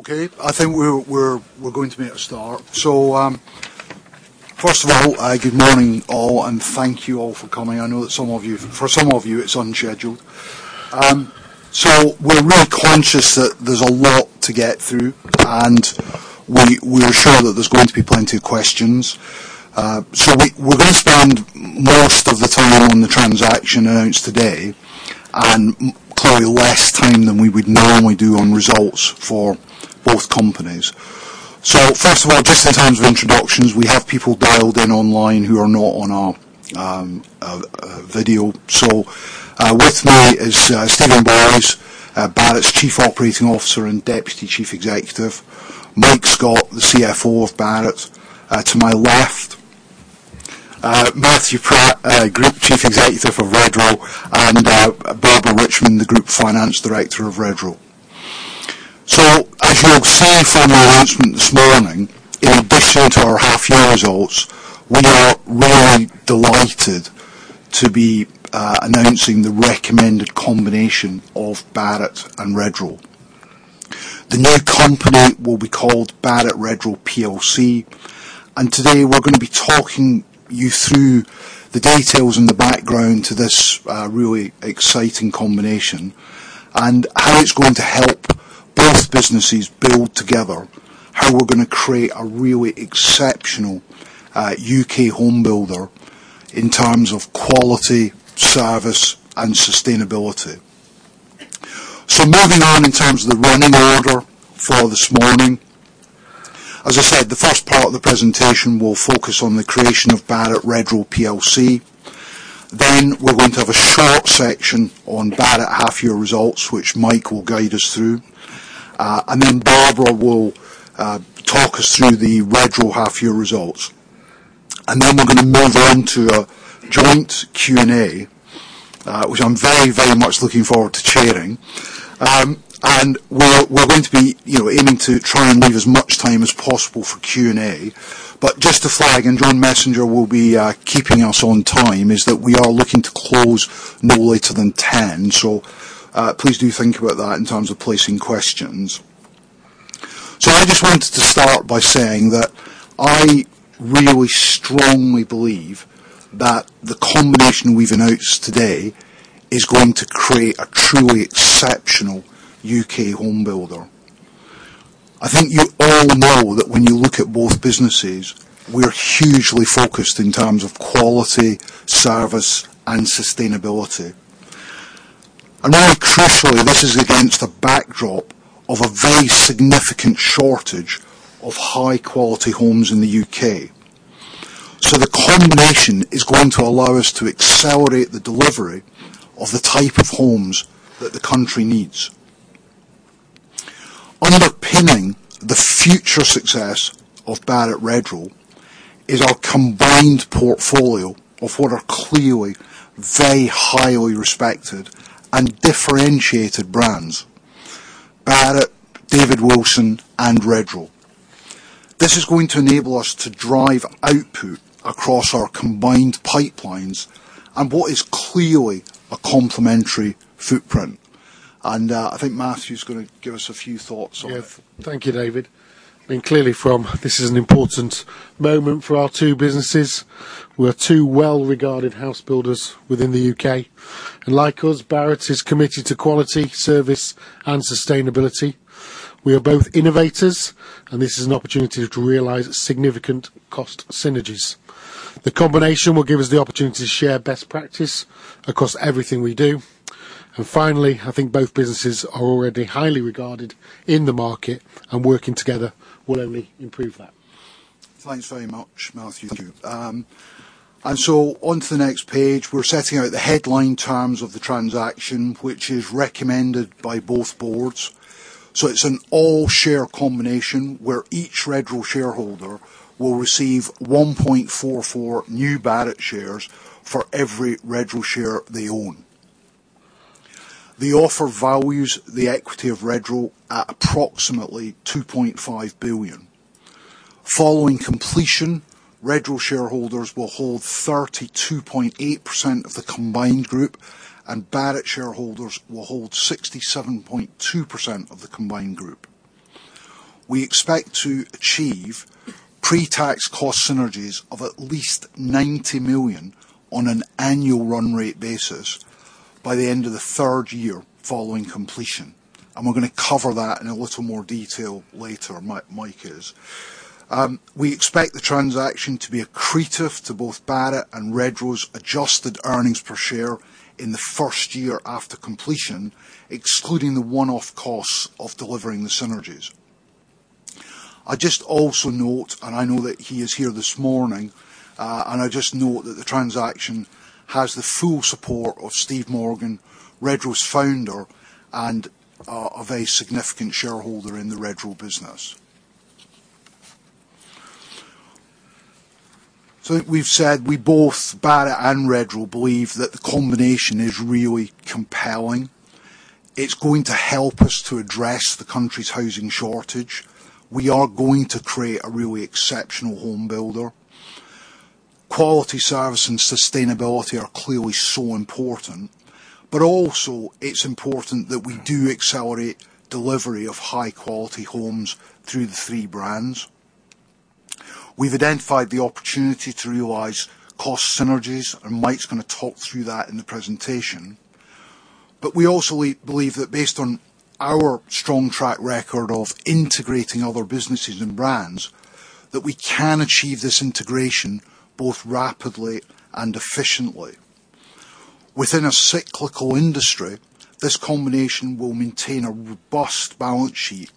Okay, I think we're going to make a start. So, first of all, good morning, all, and thank you all for coming. I know that some of you, for some of you, it's unscheduled. So we're really conscious that there's a lot to get through, and we are sure that there's going to be plenty of questions. So we're gonna spend most of the time on the transaction announced today, and clearly less time than we would normally do on results for both companies. So first of all, just in terms of introductions, we have people dialed in online who are not on our video. So, with me is Steven Boyes, Barratt's Chief Operating Officer and Deputy Chief Executive. Mike Scott, the CFO of Barratt, to my left. Matthew Pratt, Group Chief Executive of Redrow, and Barbara Richmond, the Group Finance Director of Redrow. So as you'll see from the announcement this morning, in addition to our half-year results, we are really delighted to be announcing the recommended combination of Barratt and Redrow. The new company will be called Barratt Redrow plc, and today, we're gonna be talking you through the details and the background to this really exciting combination, and how it's going to help both businesses build together, how we're gonna create a really exceptional U.K. home builder in terms of quality, service, and sustainability. So moving on in terms of the running order for this morning. As I said, the first part of the presentation will focus on the creation of Barratt Redrow plc. Then, we're going to have a short section on Barratt half-year results, which Mike will guide us through. And then Barbara will talk us through the Redrow half-year results. And then we're gonna move on to a joint Q&A, which I'm very, very much looking forward to chairing. And we're going to be, you know, aiming to try and leave as much time as possible for Q&A. But just to flag, and John Messenger will be keeping us on time, is that we are looking to close no later than 10. So, please do think about that in terms of placing questions. So I just wanted to start by saying that I really strongly believe that the combination we've announced today is going to create a truly exceptional U.K. home builder. I think you all know that when you look at both businesses, we're hugely focused in terms of quality, service, and sustainability. And then crucially, this is against a backdrop of a very significant shortage of high-quality homes in the U.K. So the combination is going to allow us to accelerate the delivery of the type of homes that the country needs. Underpinning the future success of Barratt Redrow is our combined portfolio of what are clearly very highly respected and differentiated brands: Barratt, David Wilson, and Redrow. This is going to enable us to drive output across our combined pipelines and what is clearly a complementary footprint. And, I think Matthew is gonna give us a few thoughts on it. Yeah. Thank you, David. I mean, clearly this is an important moment for our two businesses. We're two well-regarded house builders within the U.K., and like us, Barratt is committed to quality, service, and sustainability. We are both innovators, and this is an opportunity to realize significant cost synergies. The combination will give us the opportunity to share best practice across everything we do. And finally, I think both businesses are already highly regarded in the market, and working together will only improve that. Thanks very much, Matthew. And so on to the next page, we're setting out the headline terms of the transaction, which is recommended by both boards. So it's an all-share combination, where each Redrow shareholder will receive 1.44 new Barratt shares for every Redrow share they own. The offer values the equity of Redrow at approximately 2.5 billion. Following completion, Redrow shareholders will hold 32.8% of the combined group, and Barratt shareholders will hold 67.2% of the combined group. We expect to achieve pre-tax cost synergies of at least 90 million on an annual run rate basis by the end of the third year following completion, and we're gonna cover that in a little more detail later, Mike is. We expect the transaction to be accretive to both Barratt's and Redrow's adjusted earnings per share in the first year after completion, excluding the one-off costs of delivering the synergies. I just also note, and I know that he is here this morning, and I just note that the transaction has the full support of Steve Morgan, Redrow's founder, and a, a very significant shareholder in the Redrow business. So we've said we both, Barratt and Redrow, believe that the combination is really compelling. It's going to help us to address the country's housing shortage. We are going to create a really exceptional home builder. Quality service and sustainability are clearly so important, but also it's important that we do accelerate delivery of high quality homes through the three brands. We've identified the opportunity to realize cost synergies, and Mike's gonna talk through that in the presentation. But we also believe that based on our strong track record of integrating other businesses and brands, that we can achieve this integration both rapidly and efficiently. Within a cyclical industry, this combination will maintain a robust balance sheet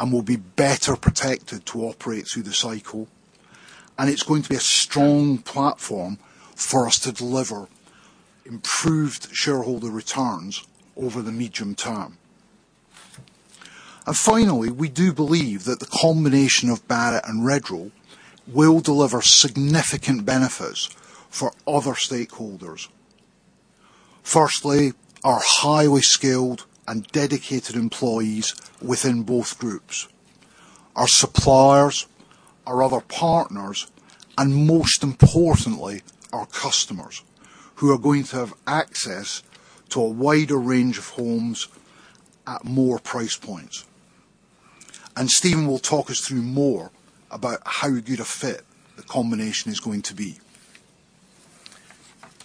and will be better protected to operate through the cycle, and it's going to be a strong platform for us to deliver improved shareholder returns over the medium term. Finally, we do believe that the combination of Barratt and Redrow will deliver significant benefits for other stakeholders. Firstly, our highly skilled and dedicated employees within both groups, our suppliers, our other partners, and most importantly, our customers, who are going to have access to a wider range of homes at more price points. Steven will talk us through more about how good a fit the combination is going to be.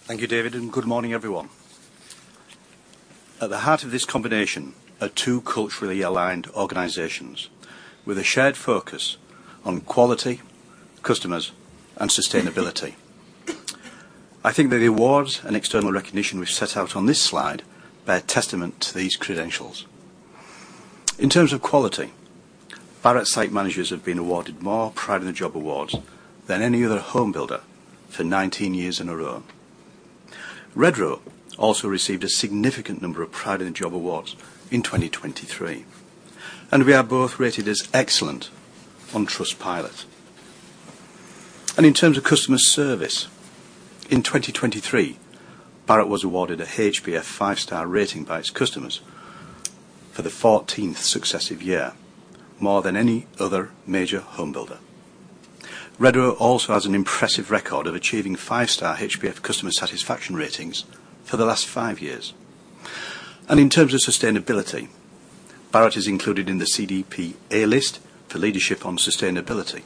Thank you, David, and good morning, everyone. At the heart of this combination are two culturally aligned organizations with a shared focus on quality, customers, and sustainability. I think the awards and external recognition we've set out on this slide bear testament to these credentials. In terms of quality, Barratt site managers have been awarded more Pride in the Job Awards than any other home builder for 19 years in a row. Redrow also received a significant number of Pride in the Job Awards in 2023, and we are both rated as excellent on Trustpilot. In terms of customer service, in 2023, Barratt was awarded a HBF 5-star rating by its customers for the 14th successive year, more than any other major home builder. Redrow also has an impressive record of achieving 5-star HBF customer satisfaction ratings for the last five years. In terms of sustainability, Barratt is included in the CDP A-List for leadership on sustainability.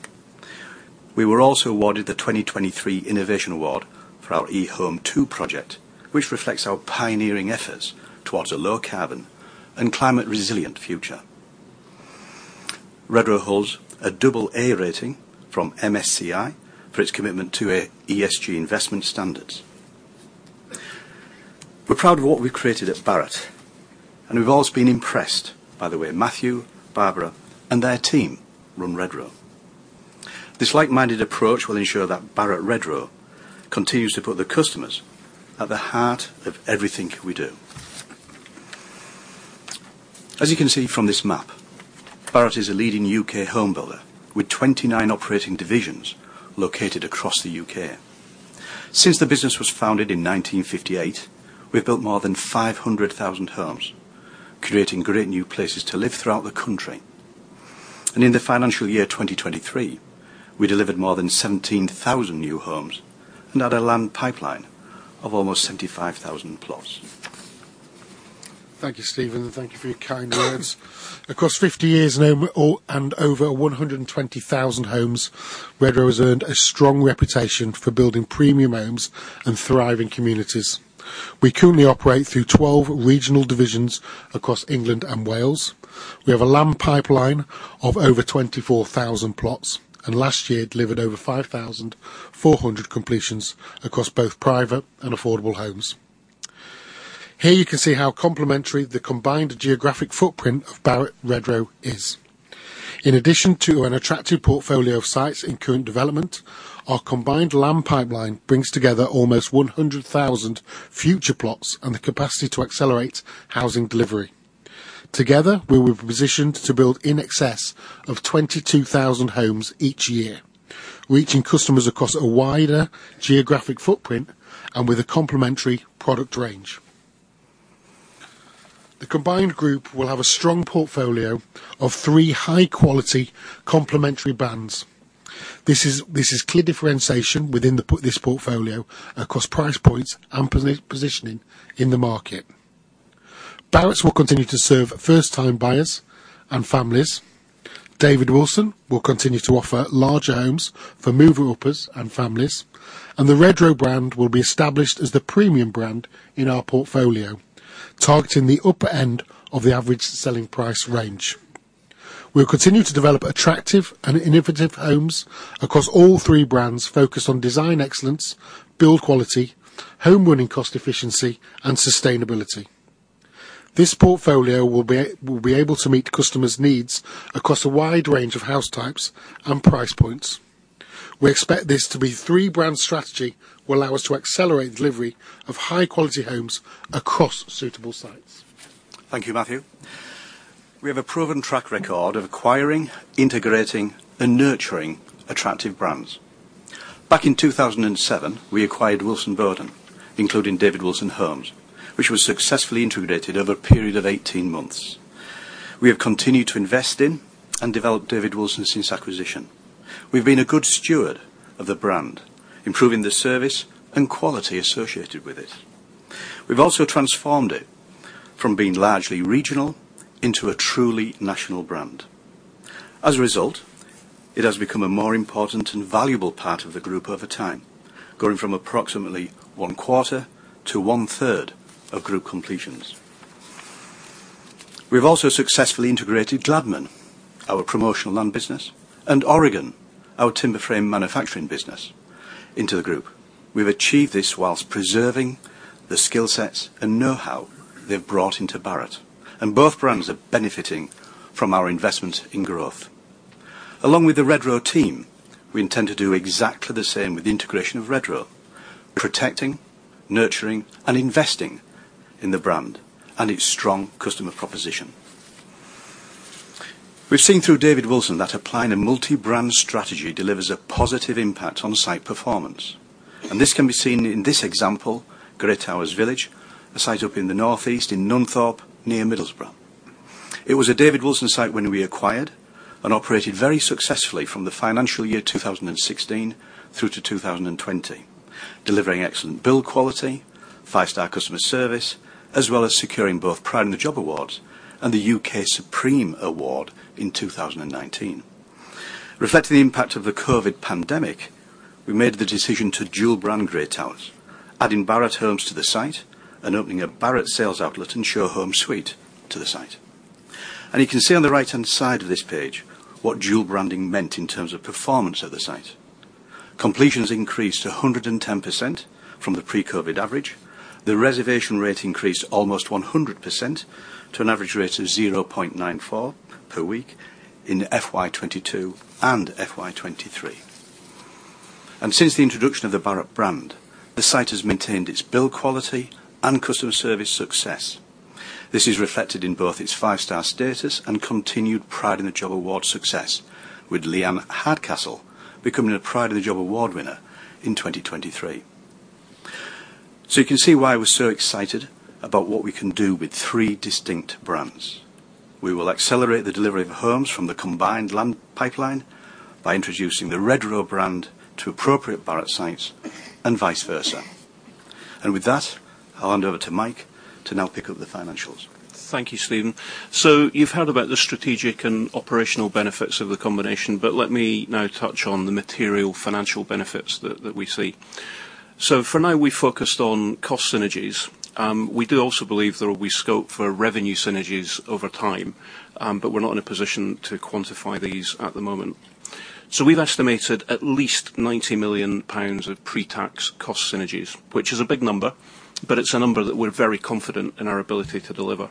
We were also awarded the 2023 Innovation Award for our eHome2 project, which reflects our pioneering efforts towards a low carbon and climate resilient future. Redrow holds a double A rating from MSCI for its commitment to ESG investment standards. We're proud of what we've created at Barratt, and we've always been impressed by the way Matthew, Barbara, and their team run Redrow. This like-minded approach will ensure that Barratt Redrow continues to put the customers at the heart of everything we do. As you can see from this map, Barratt is a leading U.K. home builder, with 29 operating divisions located across the U.K. Since the business was founded in 1958, we've built more than 500,000 homes, creating great new places to live throughout the country. In the financial year 2023, we delivered more than 17,000 new homes and had a land pipeline of almost 75,000 plots. Thank you, Steven, and thank you for your kind words. Across 50 years and over 120,000 homes, Redrow has earned a strong reputation for building premium homes and thriving communities. We currently operate through 12 regional divisions across England and Wales. We have a land pipeline of over 24,000 plots, and last year delivered over 5,400 completions across both private and affordable homes. Here, you can see how complementary the combined geographic footprint of Barratt Redrow is. In addition to an attractive portfolio of sites in current development, our combined land pipeline brings together almost 100,000 future plots and the capacity to accelerate housing delivery. Together, we will be positioned to build in excess of 22,000 homes each year, reaching customers across a wider geographic footprint and with a complementary product range. The combined group will have a strong portfolio of three high-quality complementary brands. This is clear differentiation within this portfolio across price points and positioning in the market. Barratt will continue to serve first-time buyers and families. David Wilson will continue to offer larger homes for mover uppers and families, and the Redrow brand will be established as the premium brand in our portfolio, targeting the upper end of the average selling price range. We'll continue to develop attractive and innovative homes across all three brands, focused on design excellence, build quality, home running cost efficiency, and sustainability. This portfolio will be able to meet customers' needs across a wide range of house types and price points. We expect this to be three-brand strategy will allow us to accelerate delivery of high-quality homes across suitable sites. Thank you, Matthew. We have a proven track record of acquiring, integrating, and nurturing attractive brands. Back in 2007, we acquired Wilson Bowden, including David Wilson Homes, which was successfully integrated over a period of 18 months. We have continued to invest in and develop David Wilson since acquisition. We've been a good steward of the brand, improving the service and quality associated with it. We've also transformed it from being largely regional into a truly national brand. As a result, it has become a more important and valuable part of the group over time, going from approximately one quarter to one third of group completions. We've also successfully integrated Gladman, our promotional land business, and Oregon, our timber frame manufacturing business, into the group. We've achieved this while preserving the skill sets and know-how they've brought into Barratt, and both brands are benefiting from our investment in growth. Along with the Redrow team, we intend to do exactly the same with the integration of Redrow, protecting, nurturing, and investing in the brand and its strong customer proposition. We've seen through David Wilson that applying a multi-brand strategy delivers a positive impact on site performance, and this can be seen in this example, Grey Towers Village, a site up in the northeast, in Nunthorpe, near Middlesbrough. It was a David Wilson site when we acquired, and operated very successfully from the financial year 2016 through to 2020, delivering excellent build quality, five-star customer service, as well as securing both Pride in the Job Awards and the U.K. Supreme Award in 2019. Reflecting the impact of the COVID pandemic, we made the decision to dual brand Grey Towers, adding Barratt Homes to the site and opening a Barratt sales outlet and show home suite to the site. You can see on the right-hand side of this page, what dual branding meant in terms of performance of the site. Completions increased to 110% from the pre-COVID average. The reservation rate increased almost 100%, to an average rate of 0.94 per week in FY 2022 and FY 2023. Since the introduction of the Barratt brand, the site has maintained its build quality and customer service success. This is reflected in both its five-star status and continued Pride in the Job Award success, with Leanne Hardcastle becoming a Pride in the Job Award winner in 2023. You can see why we're so excited about what we can do with three distinct brands. We will accelerate the delivery of homes from the combined land pipeline by introducing the Redrow brand to appropriate Barratt sites and vice versa. With that, I'll hand over to Mike to now pick up the financials. Thank you, Steven. You've heard about the strategic and operational benefits of the combination, but let me now touch on the material financial benefits that we see. For now, we focused on cost synergies. We do also believe there will be scope for revenue synergies over time, but we're not in a position to quantify these at the moment. We've estimated at least 90 million pounds of pre-tax cost synergies, which is a big number, but it's a number that we're very confident in our ability to deliver.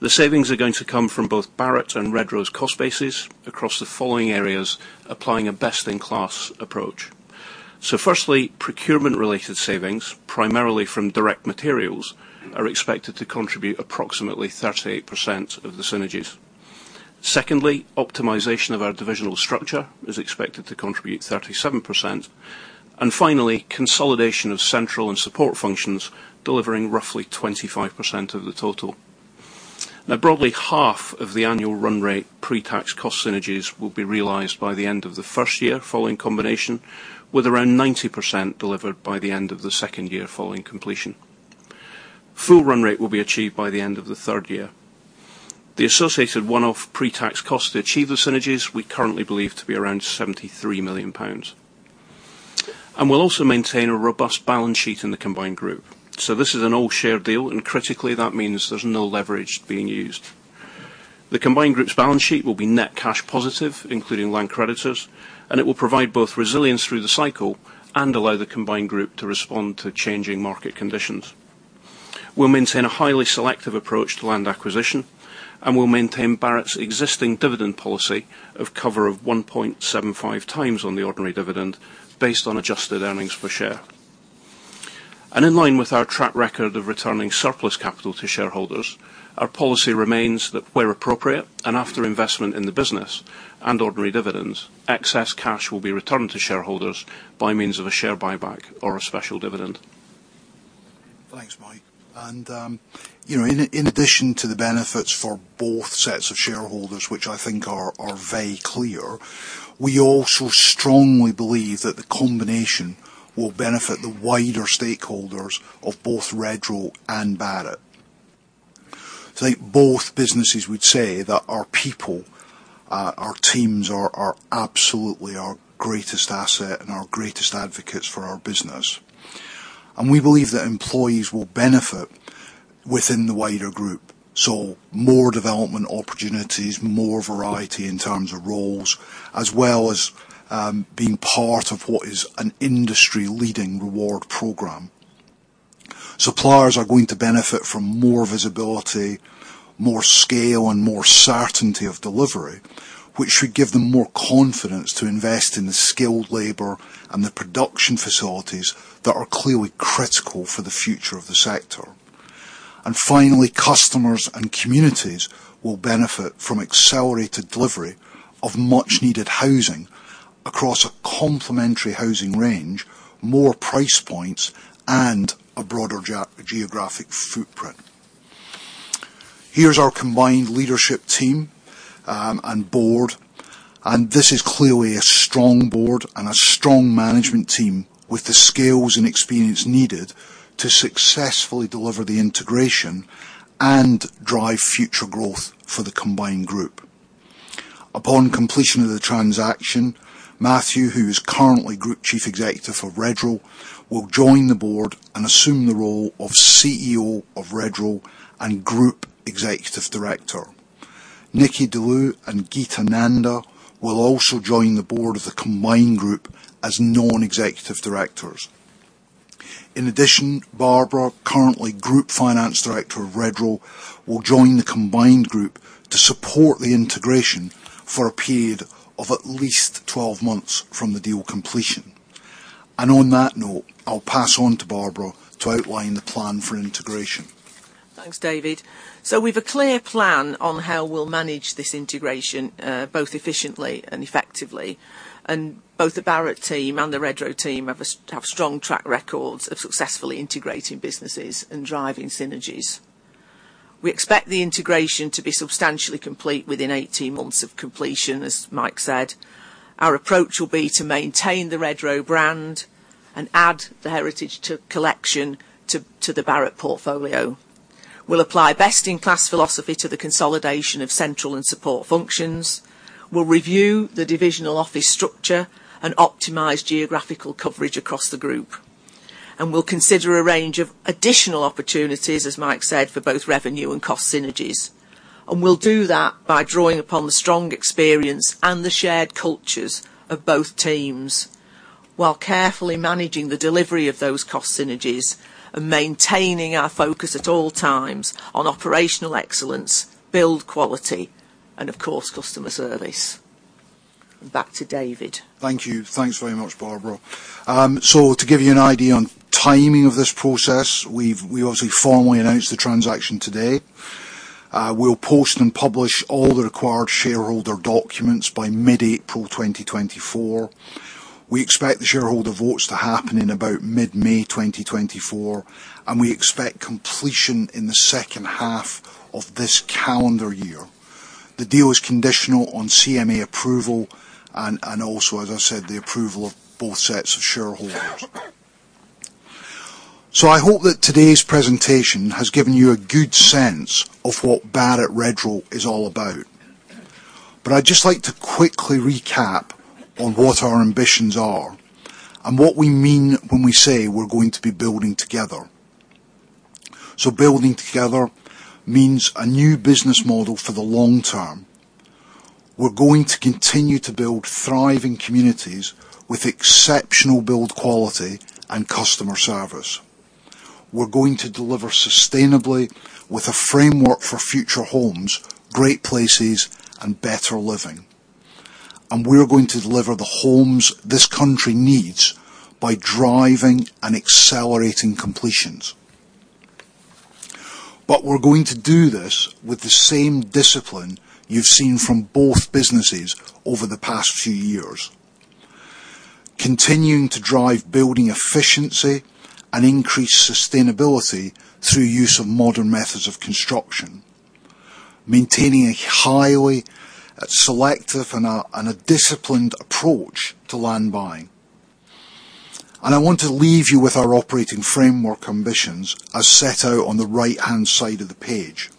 The savings are going to come from both Barratt's and Redrow's cost bases across the following areas, applying a best-in-class approach. Firstly, procurement-related savings, primarily from direct materials, are expected to contribute approximately 38% of the synergies. Secondly, optimization of our divisional structure is expected to contribute 37%. Finally, consolidation of central and support functions, delivering roughly 25% of the total. Now, broadly, half of the annual run rate pre-tax cost synergies will be realized by the end of the first year following combination, with around 90% delivered by the end of the second year following completion. Full run rate will be achieved by the end of the third year. The associated one-off pre-tax cost to achieve the synergies, we currently believe to be around 73 million pounds. We'll also maintain a robust balance sheet in the combined group. This is an all-share deal, and critically, that means there's no leverage being used. The combined group's balance sheet will be net cash positive, including land creditors, and it will provide both resilience through the cycle and allow the combined group to respond to changing market conditions. We'll maintain a highly selective approach to land acquisition, and we'll maintain Barratt's existing dividend policy of cover of 1.75 times on the ordinary dividend, based on adjusted earnings per share. And in line with our track record of returning surplus capital to shareholders, our policy remains that, where appropriate, and after investment in the business and ordinary dividends, excess cash will be returned to shareholders by means of a share buyback or a special dividend. Thanks, Mike. And, you know, in, in addition to the benefits for both sets of shareholders, which I think are, are very clear, we also strongly believe that the combination will benefit the wider stakeholders of both Redrow and Barratt. I think both businesses would say that our people, our teams are, are absolutely our greatest asset and our greatest advocates for our business. And we believe that employees will benefit within the wider group, so more development opportunities, more variety in terms of roles, as well as, being part of what is an industry-leading reward program. Suppliers are going to benefit from more visibility, more scale, and more certainty of delivery, which should give them more confidence to invest in the skilled labor and the production facilities that are clearly critical for the future of the sector. And finally, customers and communities will benefit from accelerated delivery of much needed housing across a complementary housing range, more price points, and a broader geographic footprint. Here's our combined leadership team and board, and this is clearly a strong board and a strong management team, with the skills and experience needed to successfully deliver the integration and drive future growth for the combined group. Upon completion of the transaction, Matthew, who is currently Group Chief Executive for Redrow, will join the board and assume the role of CEO of Redrow and Group Executive Director. Nicky Dulieu and Geeta Nanda will also join the board of the combined group as non-executive directors. In addition, Barbara, currently Group Finance Director of Redrow, will join the combined group to support the integration for a period of at least 12 months from the deal completion. On that note, I'll pass on to Barbara to outline the plan for integration. Thanks, David. So we've a clear plan on how we'll manage this integration, both efficiently and effectively. And both the Barratt team and the Redrow team have strong track records of successfully integrating businesses and driving synergies. We expect the integration to be substantially complete within 18 months of completion, as Mike said. Our approach will be to maintain the Redrow brand and add the Heritage Collection to the Barratt portfolio. We'll apply best-in-class philosophy to the consolidation of central and support functions. We'll review the divisional office structure and optimize geographical coverage across the group. And we'll consider a range of additional opportunities, as Mike said, for both revenue and cost synergies. We'll do that by drawing upon the strong experience and the shared cultures of both teams, while carefully managing the delivery of those cost synergies and maintaining our focus at all times on operational excellence, build quality, and of course, customer service. Back to David. Thank you. Thanks very much, Barbara. So to give you an idea on timing of this process, we've, we obviously formally announced the transaction today. We'll post and publish all the required shareholder documents by mid-April 2024. We expect the shareholder votes to happen in about mid-May 2024, and we expect completion in the second half of this calendar year. The deal is conditional on CMA approval and, and also, as I said, the approval of both sets of shareholders. So I hope that today's presentation has given you a good sense of what Barratt Redrow is all about. But I'd just like to quickly recap on what our ambitions are and what we mean when we say we're going to be building together. So building together means a new business model for the long term. We're going to continue to build thriving communities with exceptional build quality and customer service. We're going to deliver sustainably with a framework for future homes, great places, and better living. We're going to deliver the homes this country needs by driving and accelerating completions. But we're going to do this with the same discipline you've seen from both businesses over the past few years, continuing to drive building efficiency and increase sustainability through use of modern methods of construction, maintaining a highly selective and disciplined approach to land buying. I want to leave you with our operating framework ambitions, as set out on the right-hand side of the page.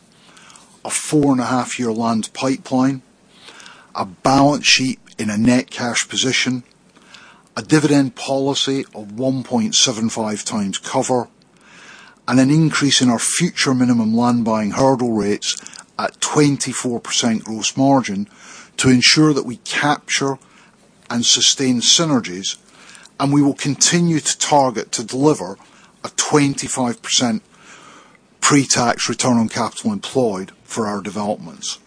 A 4.5-year land pipeline, a balance sheet in a net cash position, a dividend policy of 1.75 times cover, and an increase in our future minimum land buying hurdle rates at 24% gross margin to ensure that we capture and sustain synergies, and we will continue to target to deliver a 25% pre-tax return on capital employed for our developments.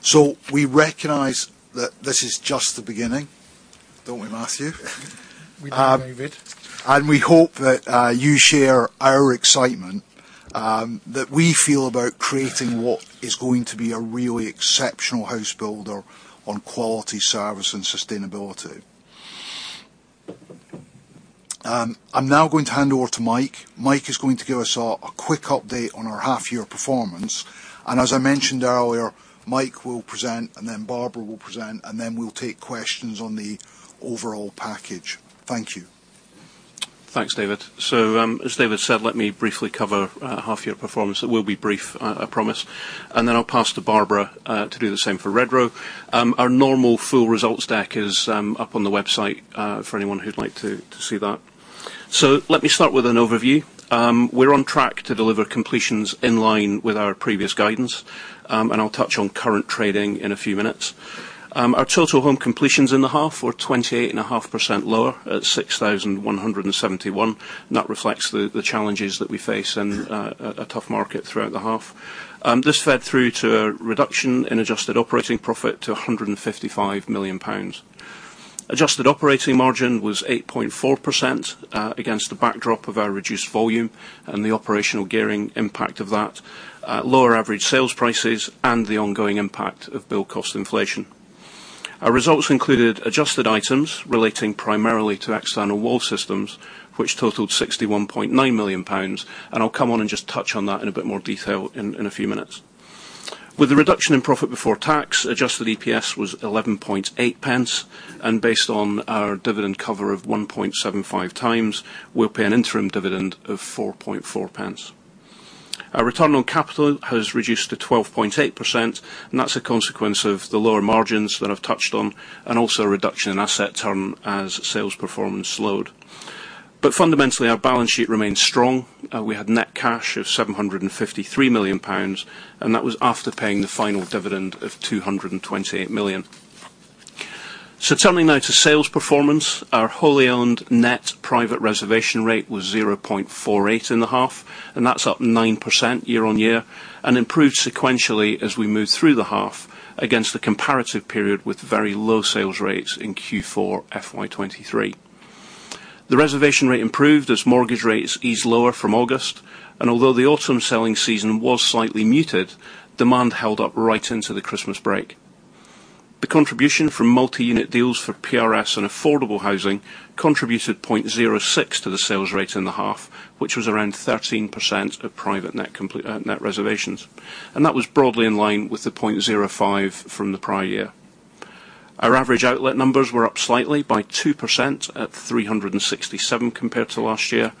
So we recognize that this is just the beginning, don't we, Matthew? We do, David. We hope that you share our excitement that we feel about creating what is going to be a really exceptional house builder on quality, service, and sustainability. I'm now going to hand over to Mike. Mike is going to give us a quick update on our half year performance, and as I mentioned earlier, Mike will present, and then Barbara will present, and then we'll take questions on the overall package. Thank you. Thanks, David. So, as David said, let me briefly cover our half year performance. It will be brief, I promise, and then I'll pass to Barbara to do the same for Redrow. Our normal full results deck is up on the website for anyone who'd like to see that. So let me start with an overview. We're on track to deliver completions in line with our previous guidance, and I'll touch on current trading in a few minutes. Our total home completions in the half were 28.5% lower, at 6,171. And that reflects the challenges that we face in a tough market throughout the half. This fed through to a reduction in adjusted operating profit to 155 million pounds. Adjusted operating margin was 8.4%, against the backdrop of our reduced volume and the operational gearing impact of that, lower average sales prices, and the ongoing impact of build cost inflation. Our results included adjusted items relating primarily to external wall systems, which totaled 61.9 million pounds, and I'll come on and just touch on that in a bit more detail in a few minutes. With the reduction in profit before tax, adjusted EPS was 0.118, and based on our dividend cover of 1.75 times, we'll pay an interim dividend of 0.044. Our return on capital has reduced to 12.8%, and that's a consequence of the lower margins that I've touched on, and also a reduction in asset turn as sales performance slowed. But fundamentally, our balance sheet remains strong. We had net cash of 753 million pounds, and that was after paying the final dividend of 228 million. So turning now to sales performance, our wholly owned net private reservation rate was 0.48 in the half, and that's up 9% year-on-year, and improved sequentially as we moved through the half against the comparative period with very low sales rates in Q4 FY 2023. The reservation rate improved as mortgage rates eased lower from August, and although the autumn selling season was slightly muted, demand held up right into the Christmas break. The contribution from multi-unit deals for PRS and affordable housing contributed 0.06 to the sales rate in the half, which was around 13% of private net reservations. That was broadly in line with the 0.05 from the prior year. Our average outlet numbers were up slightly by 2% at 367 compared to last year.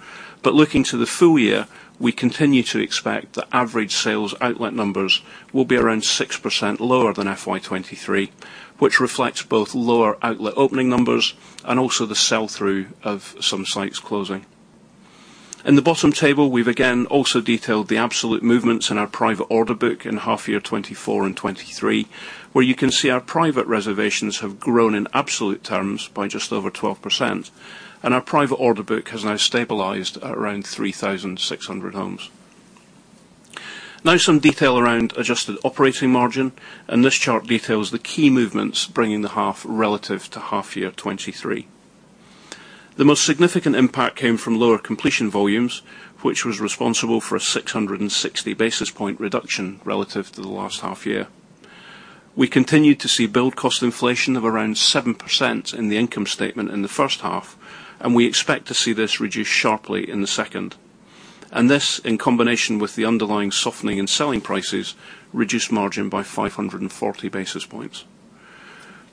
But looking to the full year, we continue to expect that average sales outlet numbers will be around 6% lower than FY 2023, which reflects both lower outlet opening numbers and also the sell-through of some sites closing. In the bottom table, we've again also detailed the absolute movements in our private order book in half year 2024 and 2023, where you can see our private reservations have grown in absolute terms by just over 12%, and our private order book has now stabilized at around 3,600 homes. Now, some detail around adjusted operating margin, and this chart details the key movements bringing the half relative to half year 2023. The most significant impact came from lower completion volumes, which was responsible for a 660 basis point reduction relative to the last half year. We continued to see build cost inflation of around 7% in the income statement in the first half, and we expect to see this reduced sharply in the second. This, in combination with the underlying softening and selling prices, reduced margin by 540 basis points.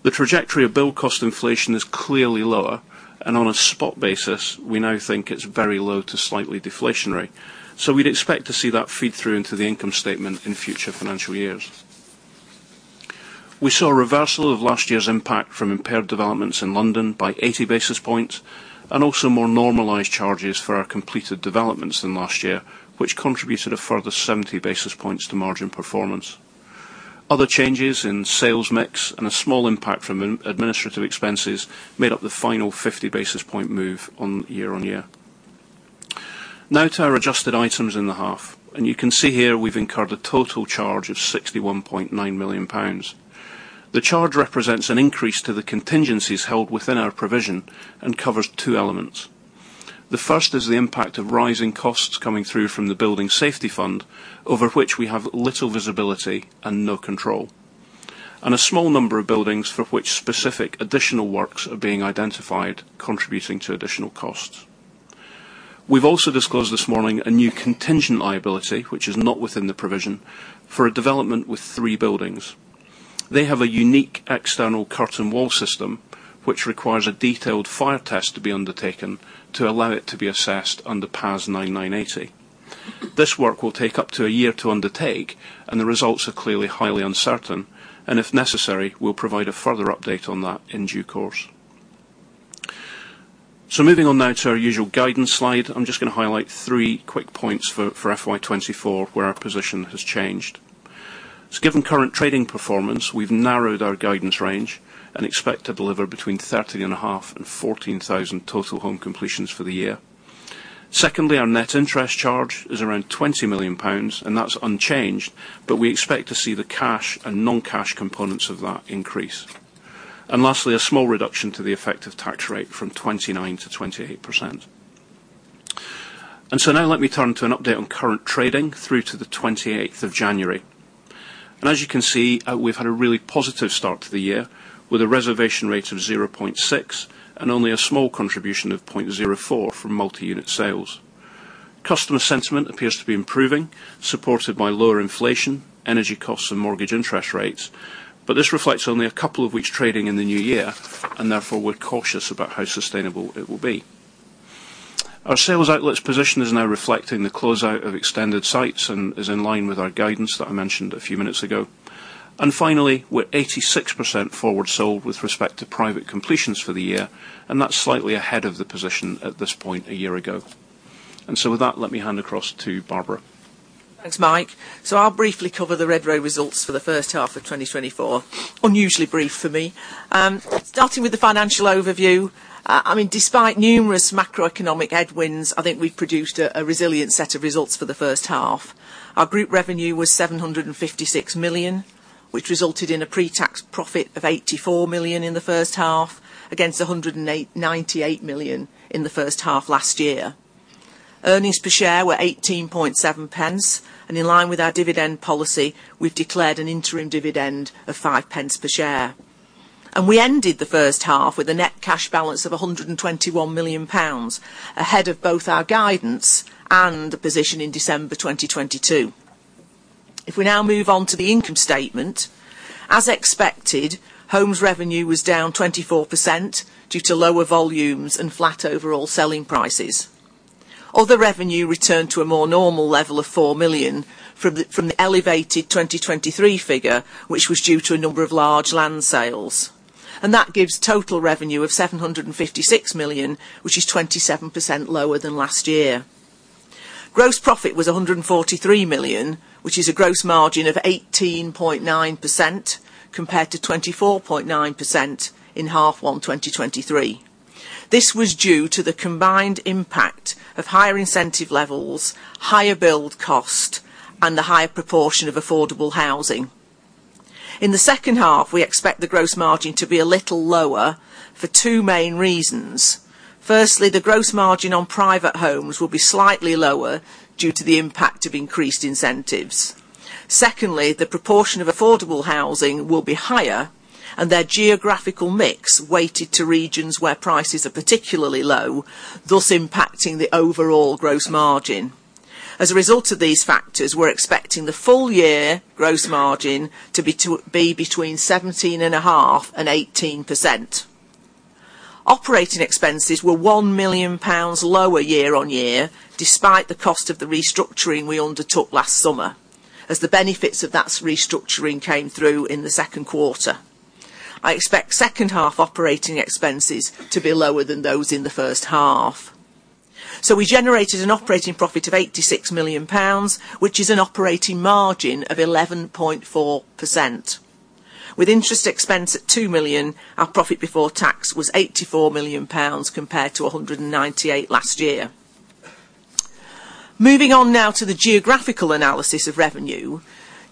The trajectory of build cost inflation is clearly lower, and on a spot basis, we now think it's very low to slightly deflationary. We'd expect to see that feed through into the income statement in future financial years. We saw a reversal of last year's impact from impaired developments in London by 80 basis points, and also more normalized charges for our completed developments than last year, which contributed a further 70 basis points to margin performance. Other changes in sales mix and a small impact from administrative expenses made up the final 50 basis point move on year-on-year. Now to our adjusted items in the half, and you can see here we've incurred a total charge of 61.9 million pounds. The charge represents an increase to the contingencies held within our provision and covers two elements. The first is the impact of rising costs coming through from the Building Safety Fund, over which we have little visibility and no control, and a small number of buildings for which specific additional works are being identified, contributing to additional costs. We've also disclosed this morning a new contingent liability, which is not within the provision, for a development with three buildings. They have a unique external curtain wall system, which requires a detailed fire test to be undertaken to allow it to be assessed under PAS 9980. This work will take up to a year to undertake, and the results are clearly highly uncertain, and if necessary, we'll provide a further update on that in due course. Moving on now to our usual guidance slide. I'm just going to highlight three quick points for FY 2024, where our position has changed. Given current trading performance, we've narrowed our guidance range and expect to deliver between 13,500-14,000 total home completions for the year. Secondly, our net interest charge is around 20 million pounds, and that's unchanged, but we expect to see the cash and non-cash components of that increase. Lastly, a small reduction to the effective tax rate from 29% to 28%. So now let me turn to an update on current trading through to the 28th of January. And as you can see, we've had a really positive start to the year, with a reservation rate of 0.6, and only a small contribution of 0.04 from multi-unit sales. Customer sentiment appears to be improving, supported by lower inflation, energy costs, and mortgage interest rates, but this reflects only a couple of weeks trading in the new year, and therefore, we're cautious about how sustainable it will be. Our sales outlets position is now reflecting the closeout of extended sites and is in line with our guidance that I mentioned a few minutes ago. And finally, we're 86% forward sold with respect to private completions for the year, and that's slightly ahead of the position at this point a year ago. And so with that, let me hand across to Barbara. Thanks, Mike. So I'll briefly cover the Redrow results for the first half of 2024. Unusually brief for me. Starting with the financial overview, I mean, despite numerous macroeconomic headwinds, I think we've produced a resilient set of results for the first half. Our group revenue was 756 million, which resulted in a pre-tax profit of 84 million in the first half, against 98 million in the first half last year. Earnings per share were 0.187, and in line with our dividend policy, we've declared an interim dividend of 0.05 per share. We ended the first half with a net cash balance of 121 million, ahead of both our guidance and the position in December 2022. If we now move on to the income statement, as expected, homes revenue was down 24% due to lower volumes and flat overall selling prices. Other revenue returned to a more normal level of 4 million from the elevated 2023 figure, which was due to a number of large land sales, and that gives total revenue of 756 million, which is 27% lower than last year. Gross profit was 143 million, which is a gross margin of 18.9%, compared to 24.9% in half one 2023. This was due to the combined impact of higher incentive levels, higher build cost, and the higher proportion of affordable housing. In the second half, we expect the gross margin to be a little lower for two main reasons. Firstly, the gross margin on private homes will be slightly lower due to the impact of increased incentives. Secondly, the proportion of affordable housing will be higher, and their geographical mix weighted to regions where prices are particularly low, thus impacting the overall gross margin. As a result of these factors, we're expecting the full year gross margin to be between 17.5% and 18%. Operating expenses were 1 million pounds lower year-on-year, despite the cost of the restructuring we undertook last summer, as the benefits of that restructuring came through in the second quarter. I expect second half operating expenses to be lower than those in the first half. So we generated an operating profit of 86 million pounds, which is an operating margin of 11.4%. With interest expense at 2 million, our profit before tax was 84 million pounds, compared to 198 million last year. Moving on now to the geographical analysis of revenue,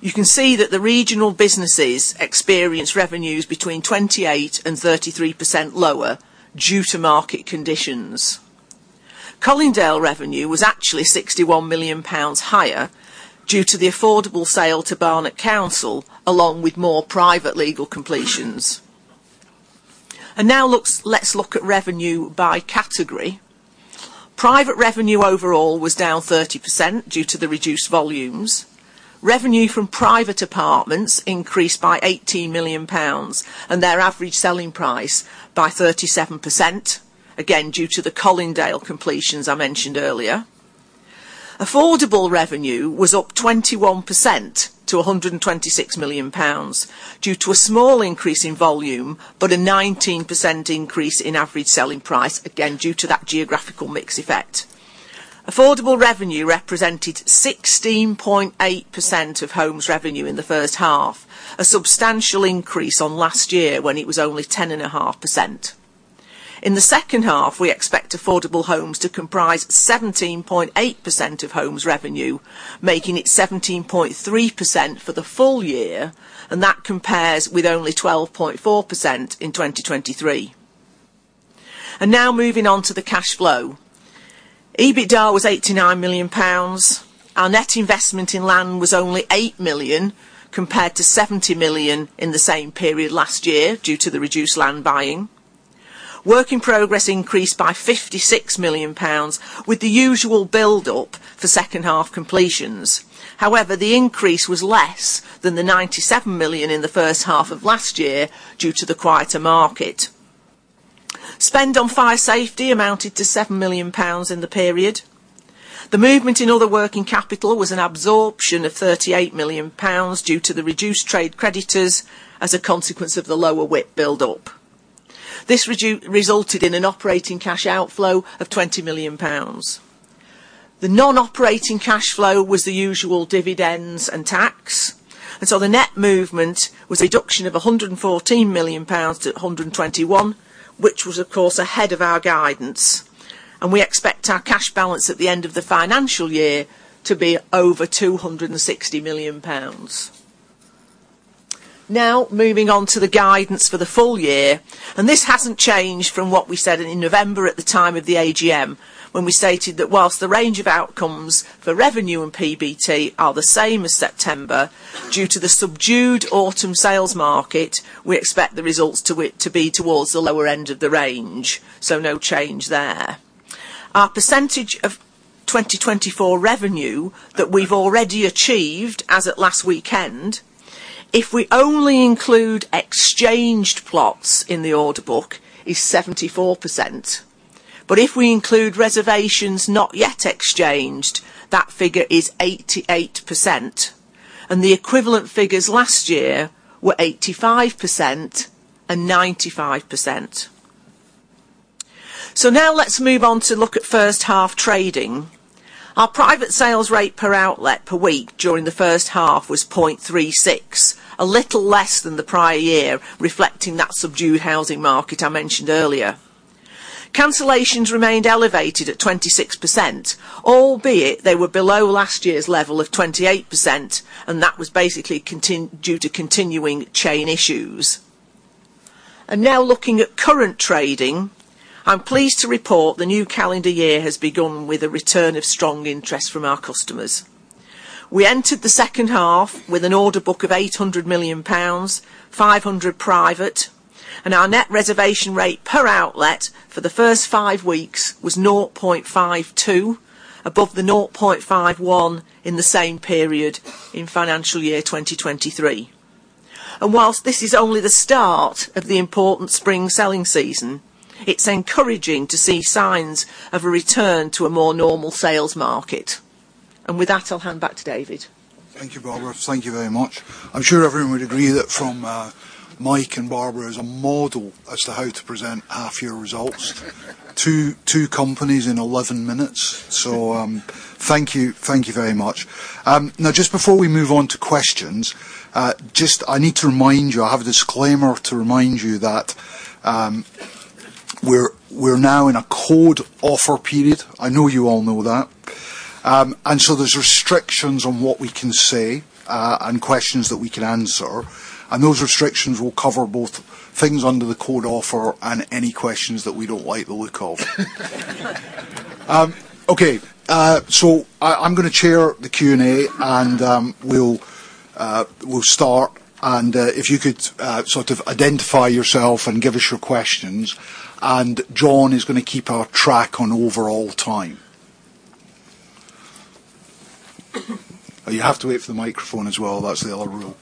you can see that the regional businesses experienced revenues between 28% and 33% lower due to market conditions. Colindale revenue was actually 61 million pounds higher due to the affordable sale to Barnet Council, along with more private legal completions. And now, let's look at revenue by category. Private revenue overall was down 30% due to the reduced volumes. Revenue from private apartments increased by 18 million pounds, and their average selling price by 37%, again, due to the Colindale completions I mentioned earlier. Affordable revenue was up 21% to 126 million pounds, due to a small increase in volume, but a 19% increase in average selling price, again, due to that geographical mix effect. Affordable revenue represented 16.8% of homes revenue in the first half, a substantial increase on last year when it was only 10.5%. In the second half, we expect affordable homes to comprise 17.8% of homes revenue, making it 17.3% for the full year, and that compares with only 12.4% in 2023. Now moving on to the cash flow. EBITDA was 89 million pounds. Our net investment in land was only 8 million, compared to 70 million in the same period last year due to the reduced land buying. Work in progress increased by 56 million pounds, with the usual build-up for second-half completions. However, the increase was less than the 97 million in the first half of last year due to the quieter market. Spend on fire safety amounted to 7 million pounds in the period. The movement in other working capital was an absorption of 38 million pounds due to the reduced trade creditors as a consequence of the lower WIP build-up. This resulted in an operating cash outflow of 20 million pounds. The non-operating cash flow was the usual dividends and tax, and so the net movement was a reduction of 114 million pounds to 121 million, which was, of course, ahead of our guidance, and we expect our cash balance at the end of the financial year to be over 260 million pounds. Now, moving on to the guidance for the full year, and this hasn't changed from what we said in November at the time of the AGM, when we stated that whilst the range of outcomes for revenue and PBT are the same as September, due to the subdued autumn sales market, we expect the results to be towards the lower end of the range, so no change there. Our percentage of 2024 revenue that we've already achieved as at last weekend, if we only include exchanged plots in the order book, is 74%. But if we include reservations not yet exchanged, that figure is 88%, and the equivalent figures last year were 85% and 95%. So now let's move on to look at first half trading. Our private sales rate per outlet per week during the first half was 0.36, a little less than the prior year, reflecting that subdued housing market I mentioned earlier. Cancelations remained elevated at 26%, albeit they were below last year's level of 28%, and that was basically due to continuing chain issues. Now looking at current trading, I'm pleased to report the new calendar year has begun with a return of strong interest from our customers. We entered the second half with an order book of 800 million pounds, 500 million private, and our net reservation rate per outlet for the first five weeks was 0.52, above the 0.51 in the same period in financial year 2023. While this is only the start of the important spring selling season, it's encouraging to see signs of a return to a more normal sales market. With that, I'll hand back to David. Thank you, Barbara. Thank you very much. I'm sure everyone would agree that from Mike and Barbara is a model as to how to present half your results. two, two companies in 11 minutes. So, thank you, thank you very much. Now, just before we move on to questions, just I need to remind you. I have a disclaimer to remind you that we're now in a code offer period. I know you all know that. And so there's restrictions on what we can say and questions that we can answer, and those restrictions will cover both things under the code offer and any questions that we don't like the look of. Okay, so I'm gonna chair the Q&A, and we'll start. If you could sort of identify yourself and give us your questions, and John is gonna keep us on track on overall time. You have to wait for the microphone as well. That's the other rule.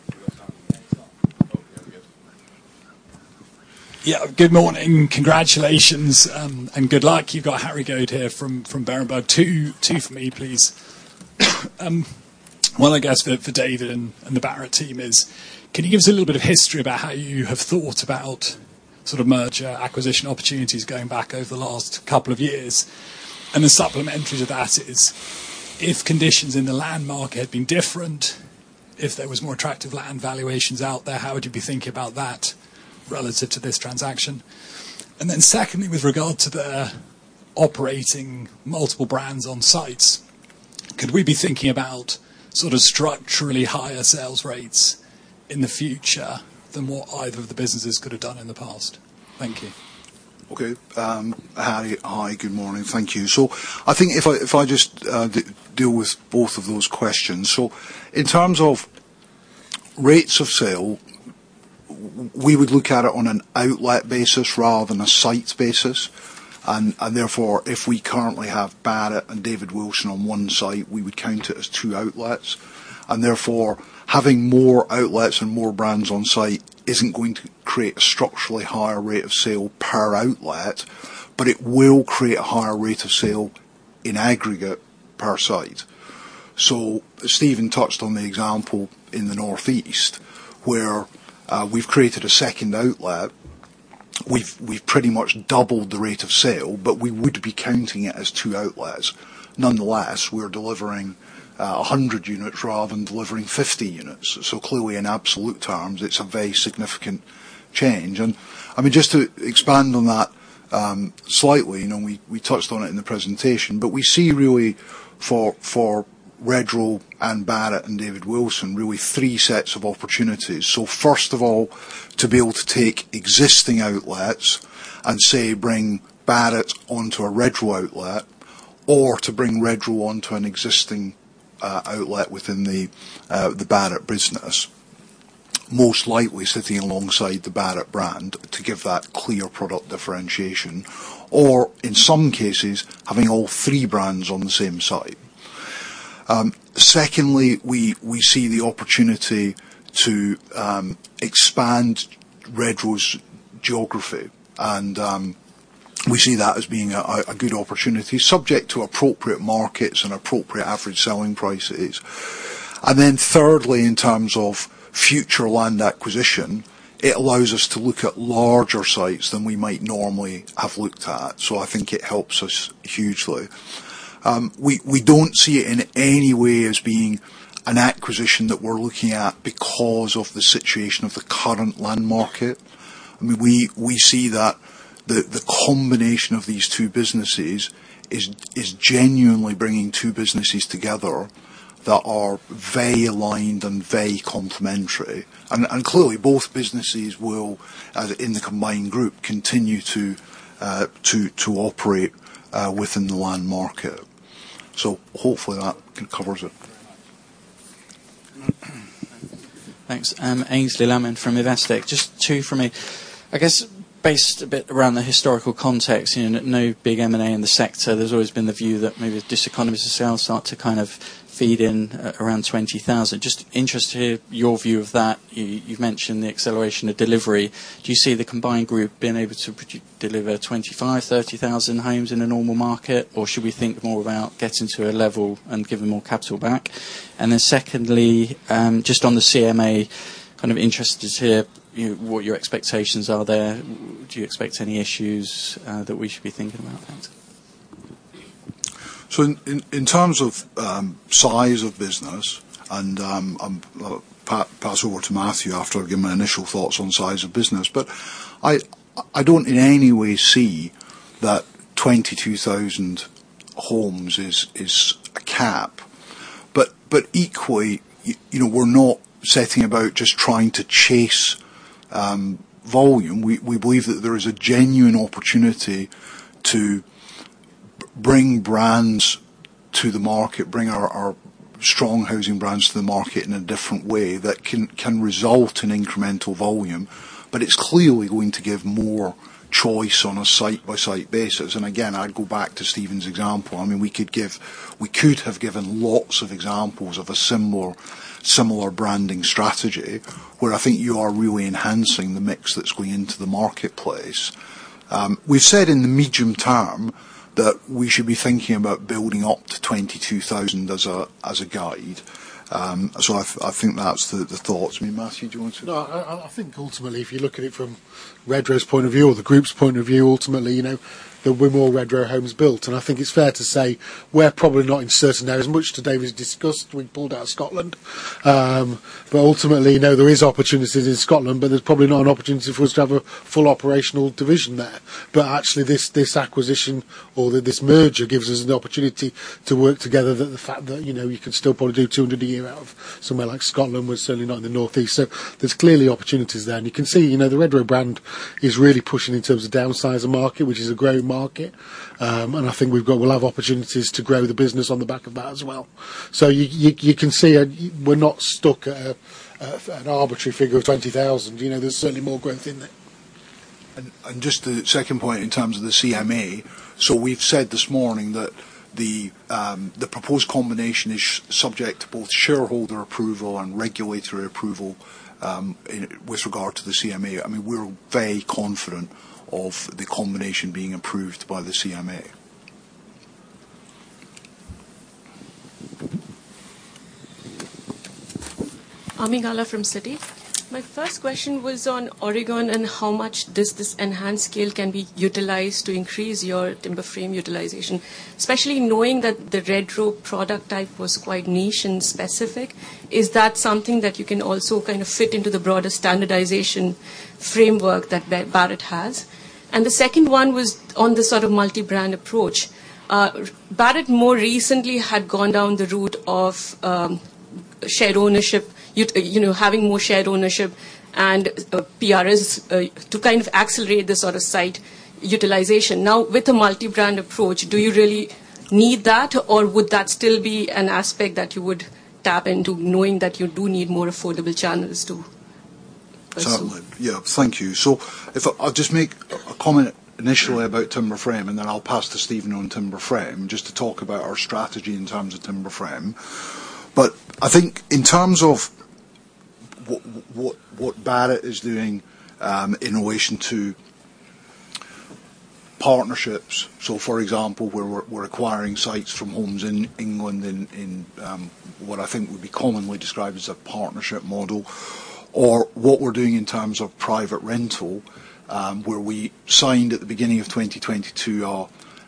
Yeah, good morning. Congratulations and good luck. You've got Harry Goad here from Berenberg. 2, 2 for me, please. Well, I guess for David and the Barratt team: Can you give us a little bit of history about how you have thought about sort of merger and acquisition opportunities going back over the last couple of years? And the supplementary to that is, if conditions in the land market had been different, if there was more attractive land valuations out there, how would you be thinking about that relative to this transaction? And then secondly, with regard to the operating multiple brands on sites, could we be thinking about sort of structurally higher sales rates in the future than what either of the businesses could have done in the past? Thank you. Okay, Harry. Hi, good morning. Thank you. So I think if I just deal with both of those questions. So in terms of rates of sale, we would look at it on an outlet basis rather than a sites basis. And therefore, if we currently have Barratt and David Wilson on one site, we would count it as two outlets. And therefore, having more outlets and more brands on site isn't going to create a structurally higher rate of sale per outlet, but it will create a higher rate of sale in aggregate per site. So Steven touched on the example in the Northeast, where we've created a second outlet. We've pretty much doubled the rate of sale, but we would be counting it as two outlets. Nonetheless, we're delivering 100 units rather than delivering 50 units. So clearly, in absolute terms, it's a very significant change. I mean, just to expand on that slightly, you know, we touched on it in the presentation, but we see really for Redrow and Barratt and David Wilson really three sets of opportunities. So first of all, to be able to take existing outlets and, say, bring Barratt onto a Redrow outlet or to bring Redrow onto an existing outlet within the Barratt business, most likely sitting alongside the Barratt brand to give that clear product differentiation, or in some cases, having all three brands on the same site. Secondly, we see the opportunity to expand Redrow's geography, and we see that as being a good opportunity, subject to appropriate markets and appropriate average selling prices. And then thirdly, in terms of future land acquisition, it allows us to look at larger sites than we might normally have looked at. So I think it helps us hugely. We don't see it in any way as being an acquisition that we're looking at because of the situation of the current land market. I mean, we see that the combination of these two businesses is genuinely bringing two businesses together that are very aligned and very complementary. And clearly, both businesses will, in the combined group, continue to operate within the land market. So hopefully that covers it. Thanks. Aynsley Lammin from Investec. Just two for me. I guess, based a bit around the historical context, you know, no big M&A in the sector, there's always been the view that maybe the diseconomies of sales start to kind of feed in around 20,000. Just interested to hear your view of that. You, you've mentioned the acceleration of delivery. Do you see the combined group being able to deliver 25,000-30,000 homes in a normal market? Or should we think more about getting to a level and giving more capital back? And then secondly, just on the CMA, kind of interested to hear, you know, what your expectations are there. Do you expect any issues that we should be thinking about? Thanks. So in terms of size of business, and I'll pass over to Matthew after I've given my initial thoughts on size of business, but I don't in any way see that 22,000 homes is a cap. But equally, you know, we're not setting about just trying to chase volume. We believe that there is a genuine opportunity to bring brands to the market, bring our strong housing brands to the market in a different way that can result in incremental volume, but it's clearly going to give more choice on a site-by-site basis. And again, I'd go back to Steven's example. I mean, we could have given lots of examples of a similar branding strategy, where I think you are really enhancing the mix that's going into the marketplace. We've said in the medium term that we should be thinking about building up to 22,000 as a guide. So I think that's the thoughts. I mean, Matthew, do you want to- No, I think ultimately, if you look at it from Redrow's point of view or the group's point of view, ultimately, you know, there were more Redrow homes built. And I think it's fair to say we're probably not in certain areas. Much today was discussed, we pulled out Scotland. But ultimately, you know, there is opportunities in Scotland, but there's probably not an opportunity for us to have a full operational division there. But actually, this acquisition or this merger gives us an opportunity to work together, that the fact that, you know, you could still probably do 200 a year out of somewhere like Scotland, we're certainly not in the Northeast. So there's clearly opportunities there. And you can see, you know, the Redrow brand is really pushing in terms of downsize of market, which is a growing market. I think we'll have opportunities to grow the business on the back of that as well. So you can see, we're not stuck at an arbitrary figure of 20,000. You know, there's certainly more growth in there. And just the second point in terms of the CMA. So we've said this morning that the proposed combination is subject to both shareholder approval and regulatory approval. With regard to the CMA, I mean, we're very confident of the combination being approved by the CMA. Ami Galla from Citi. My first question was on Oregon and how much does this enhanced scale can be utilized to increase your timber frame utilization, especially knowing that the Redrow product type was quite niche and specific. Is that something that you can also kind of fit into the broader standardization framework that Barratt has? And the second one was on the sort of multi-brand approach. Barratt, more recently, had gone down the route of shared ownership, you know, having more shared ownership and PRS to kind of accelerate this sort of site utilization. Now, with the multi-brand approach, do you really need that, or would that still be an aspect that you would tap into, knowing that you do need more affordable channels, too? Certainly. Yeah, thank you. So if I'll just make a comment initially about timber frame, and then I'll pass to Steven on timber frame, just to talk about our strategy in terms of timber frame. But I think in terms of what Barratt is doing in relation to partnerships. So for example, we're acquiring sites from Homes England, in what I think would be commonly described as a partnership model, or what we're doing in terms of private rental, where we signed at the beginning of 2022,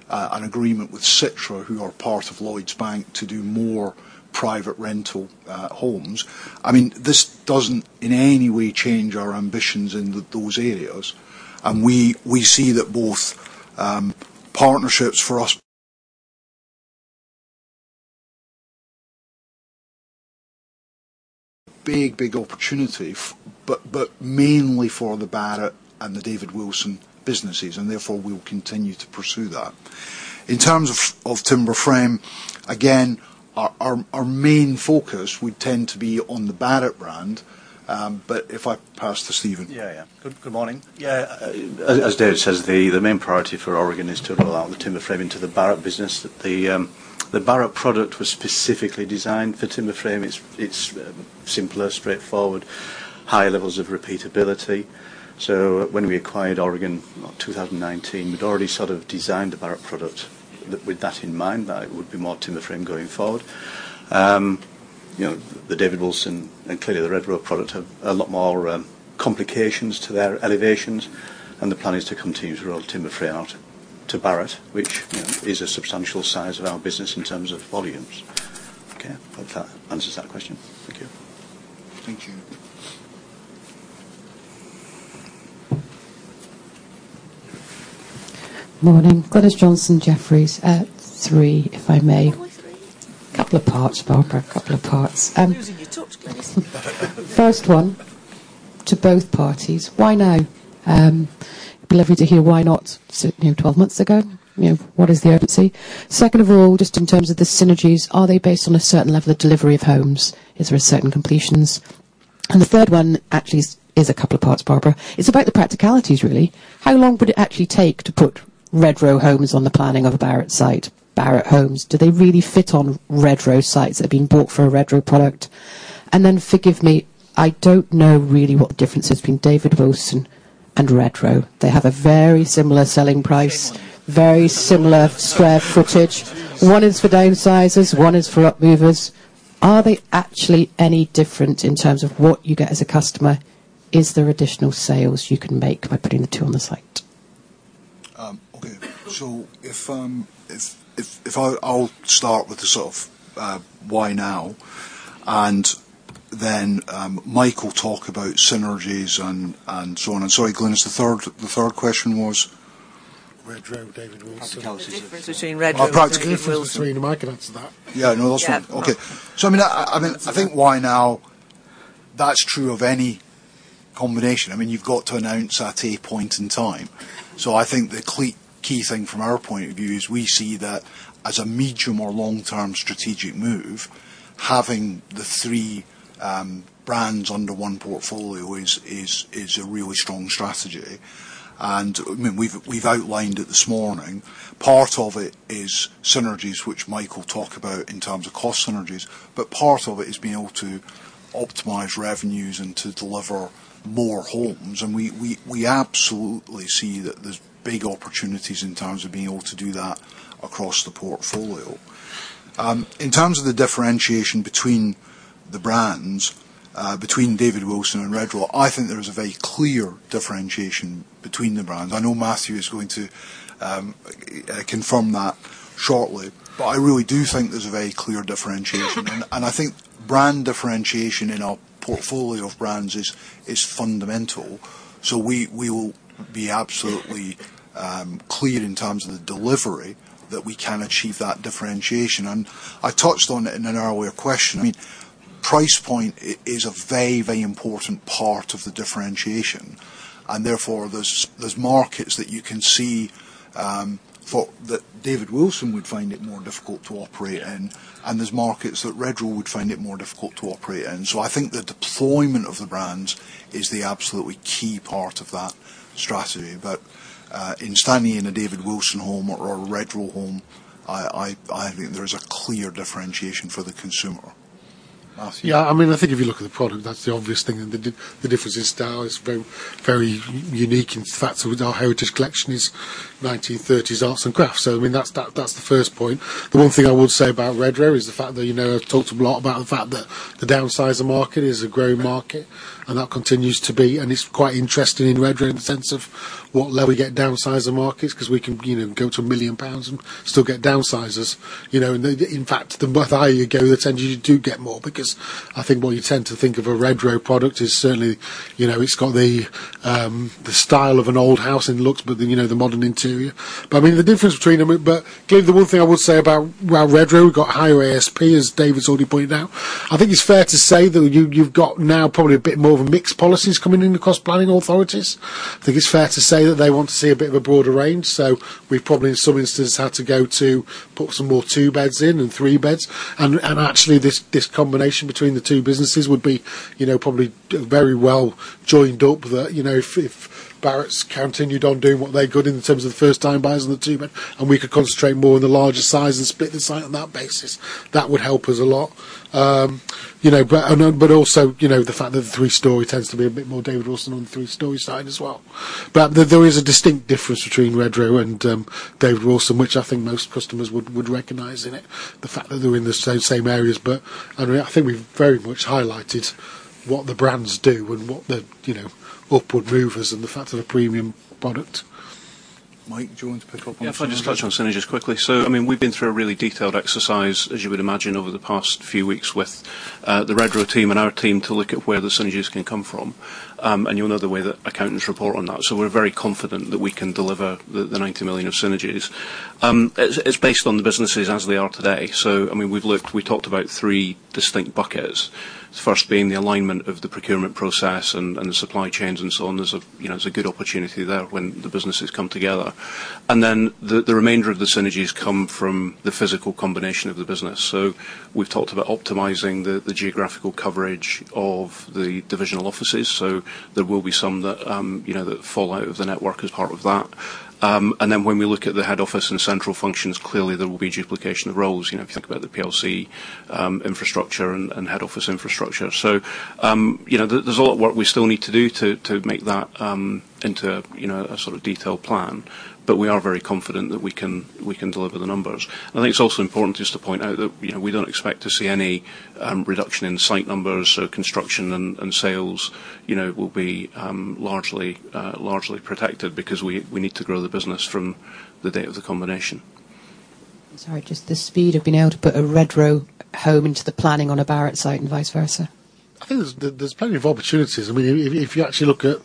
an agreement with Citra, who are part of Lloyds Bank, to do more private rental homes. I mean, this doesn't in any way change our ambitions in those areas. We see that both partnerships for us a big opportunity, but mainly for the Barratt and the David Wilson businesses, and therefore, we will continue to pursue that. In terms of timber frame, again, our main focus would tend to be on the Barratt brand, but if I pass to Steven. Yeah, yeah. Good, good morning. Yeah, as David says, the main priority for Oregon is to roll out the timber frame into the Barratt business. The Barratt product was specifically designed for timber frame. It's simpler, straightforward, high levels of repeatability. So when we acquired Oregon, 2019, we'd already sort of designed the Barratt product with that in mind, that it would be more timber frame going forward. You know, the David Wilson, and clearly, the Redrow product, have a lot more complications to their elevations, and the plan is to continue to roll timber frame out to Barratt, which, you know, is a substantial size of our business in terms of volumes. Okay, hope that answers that question. Thank you. Thank you. Morning. Glynis Johnson, Jefferies. three, if I may. Only three? Couple of parts, Barbara, couple of parts. Losing your touch, Glynis. First one, to both parties, why now? Be lovely to hear why not, certainly, 12 months ago. You know, what is the urgency? Second of all, just in terms of the synergies, are they based on a certain level of delivery of homes? Is there a certain completions? And the third one actually is, is a couple of parts, Barbara. It's about the practicalities, really. How long would it actually take to put Redrow homes on the planning of a Barratt site, Barratt homes? Do they really fit on Redrow sites that have been bought for a Redrow product? And then, forgive me, I don't know really what the difference is between David Wilson and Redrow. They have a very similar selling price- Very similar square footage. One is for downsizers, one is for up movers. Are they actually any different in terms of what you get as a customer? Is there additional sales you can make by putting the two on the site? Okay. So if I’ll start with the sort of why now, and then Mike will talk about synergies and so on. And sorry, Glynis, the third question was? Redrow and David Wilson. What's the difference between Redrow and David Wilson? Oh, I can answer that. Yeah, no, that's fine. Yeah. Okay. So I mean, I mean, I think why now? That's true of any combination. I mean, you've got to announce at a point in time. So I think the key thing from our point of view is we see that as a medium or long-term strategic move, having the three brands under one portfolio is a really strong strategy. And, I mean, we've outlined it this morning. Part of it is synergies, which Mike will talk about in terms of cost synergies, but part of it is being able to optimize revenues and to deliver more homes, and we absolutely see that there's big opportunities in terms of being able to do that across the portfolio. In terms of the differentiation between the brands, between David Wilson and Redrow, I think there is a very clear differentiation between the brands. I know Matthew is going to confirm that shortly, but I really do think there's a very clear differentiation. And I think brand differentiation in our portfolio of brands is, is fundamental, so we, we will be absolutely clear in terms of the delivery that we can achieve that differentiation. And I touched on it in an earlier question. I mean, price point is a very, very important part of the differentiation, and therefore, there's, there's markets that you can see that David Wilson would find it more difficult to operate in, and there's markets that Redrow would find it more difficult to operate in. So I think the deployment of the brands is the absolutely key part of that strategy. But in standing in a David Wilson home or a Redrow home, I think there is a clear differentiation for the consumer. Matthew? Yeah, I mean, I think if you look at the product, that's the obvious thing, and the difference in style is very, very unique. In fact, so with our Heritage Collection is 1930s Arts and Crafts. So, I mean, that's, that, that's the first point. The one thing I would say about Redrow is the fact that, you know, I've talked a lot about the fact that the downsizer market is a growing market, and that continues to be, and it's quite interesting in Redrow, in the sense of what level we get downsizer markets, 'cause we can, you know, go to 1 million pounds and still get downsizers. You know, in fact, the higher you go, the tendency you do get more, because I think what you tend to think of a Redrow product is certainly, you know, it's got the style of an old house and looks, but then, you know, the modern interior. But, I mean, the difference between them, but give the one thing I would say about, well, Redrow, we've got higher ASP, as David's already pointed out. I think it's fair to say that you've got now probably a bit more of a mixed policies coming in across planning authorities. I think it's fair to say that they want to see a bit of a broader range, so we've probably, in some instances, had to go to put some more two beds in and three beds. And actually, this combination between the two businesses would be, you know, probably very well joined up that, you know, if Barratt's continued on doing what they're good in terms of the first-time buyers and the two bed, and we could concentrate more on the larger size and split the site on that basis, that would help us a lot. You know, but also, you know, the fact that the three-story tends to be a bit more David Wilson on the three-story side as well. But there is a distinct difference between Redrow and David Wilson, which I think most customers would recognize in it. The fact that they're in the same areas, but, I mean, I think we've very much highlighted what the brands do and what the, you know, upward movers and the fact of the premium product. Mike, do you want to pick up on synergies? Yeah, if I just touch on synergies quickly. So, I mean, we've been through a really detailed exercise, as you would imagine, over the past few weeks with the Redrow team and our team to look at where the synergies can come from. And you'll know the way that accountants report on that, so we're very confident that we can deliver the 90 million of synergies. It's based on the businesses as they are today. So I mean, we've looked, we talked about three distinct buckets. The first being the alignment of the procurement process and the supply chains and so on. You know, there's a good opportunity there when the businesses come together. And then, the remainder of the synergies come from the physical combination of the business. So we've talked about optimizing the geographical coverage of the divisional offices, so there will be some that, you know, that fall out of the network as part of that. And then when we look at the head office and central functions, clearly there will be duplication of roles, you know, if you think about the PLC infrastructure and head office infrastructure. So, you know, there's a lot of work we still need to do to make that into a sort of detailed plan, but we are very confident that we can deliver the numbers. I think it's also important just to point out that, you know, we don't expect to see any reduction in site numbers, so construction and sales, you know, will be largely protected because we need to grow the business from the date of the combination. Sorry, just the speed of being able to put a Redrow home into the planning on a Barratt site and vice versa. I think there's plenty of opportunities. I mean, if you actually look at...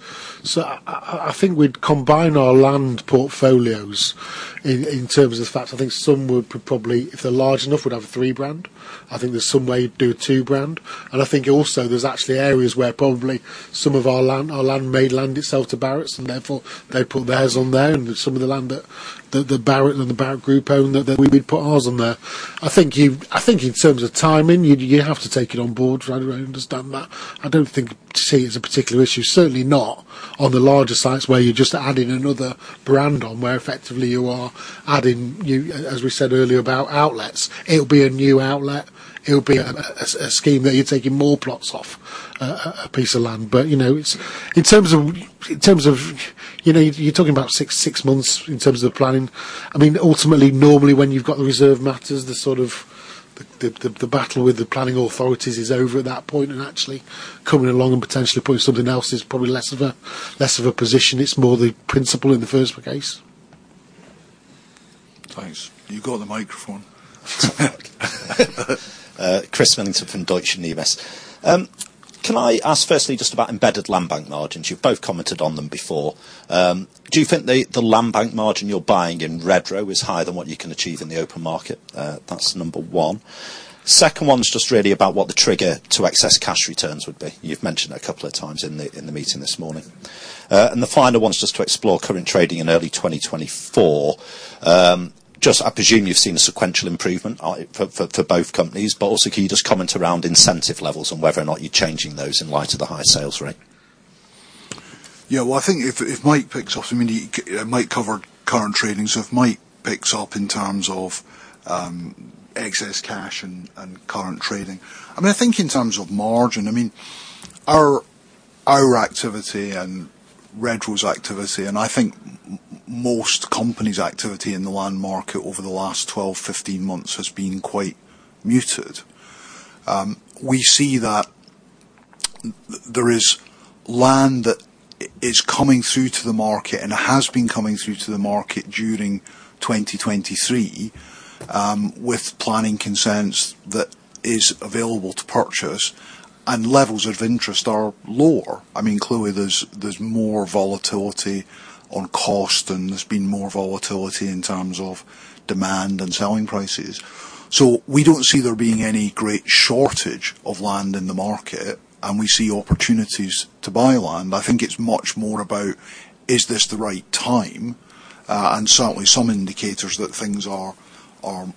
So I think we'd combine our land portfolios in terms of the fact, I think some would probably, if they're large enough, would have a three brand. I think there's some way to do a two brand. And I think also there's actually areas where probably some of our land may lend itself to Barratt's, and therefore, they put theirs on there, and some of the land that the Barratt and the Barratt group own, that we would put ours on there. I think in terms of timing, you have to take it on board, right? I understand that. I don't think see it as a particular issue, certainly not on the larger sites where you're just adding another brand on, where effectively you are adding you, as we said earlier, about outlets. It'll be a new outlet. It'll be a scheme that you're taking more plots off a piece of land. But, you know, it's in terms of, you know, you're talking about 6-6 months in terms of planning. I mean, ultimately, normally, when you've got the Reserved Matters, the sort of battle with the planning authorities is over at that point, and actually coming along and potentially putting something else is probably less of a position. It's more the principle in the first case. Thanks. You got the microphone? Chris Millington from Deutsche Numis. Can I ask firstly, just about embedded land bank margins? You've both commented on them before. Do you think the land bank margin you're buying in Redrow is higher than what you can achieve in the open market? That's number one. Second one is just really about what the trigger to excess cash returns would be. You've mentioned a couple of times in the meeting this morning. And the final one is just to explore current trading in early 2024. Just I presume you've seen a sequential improvement for both companies, but also, can you just comment around incentive levels and whether or not you're changing those in light of the high sales rate? Yeah, well, I think if Mike picks off, I mean, he Mike covered current trading, so if Mike picks up in terms of excess cash and current trading. I mean, I think in terms of margin, I mean, our activity and Redrow's activity, and I think most companies' activity in the land market over the last 12, 15 months has been quite muted. We see that there is land that is coming through to the market, and it has been coming through to the market during 2023 with planning consents that is available to purchase, and levels of interest are lower. I mean, clearly, there's more volatility on cost, and there's been more volatility in terms of demand and selling prices. So we don't see there being any great shortage of land in the market, and we see opportunities to buy land. I think it's much more about, is this the right time? And certainly, some indicators that things are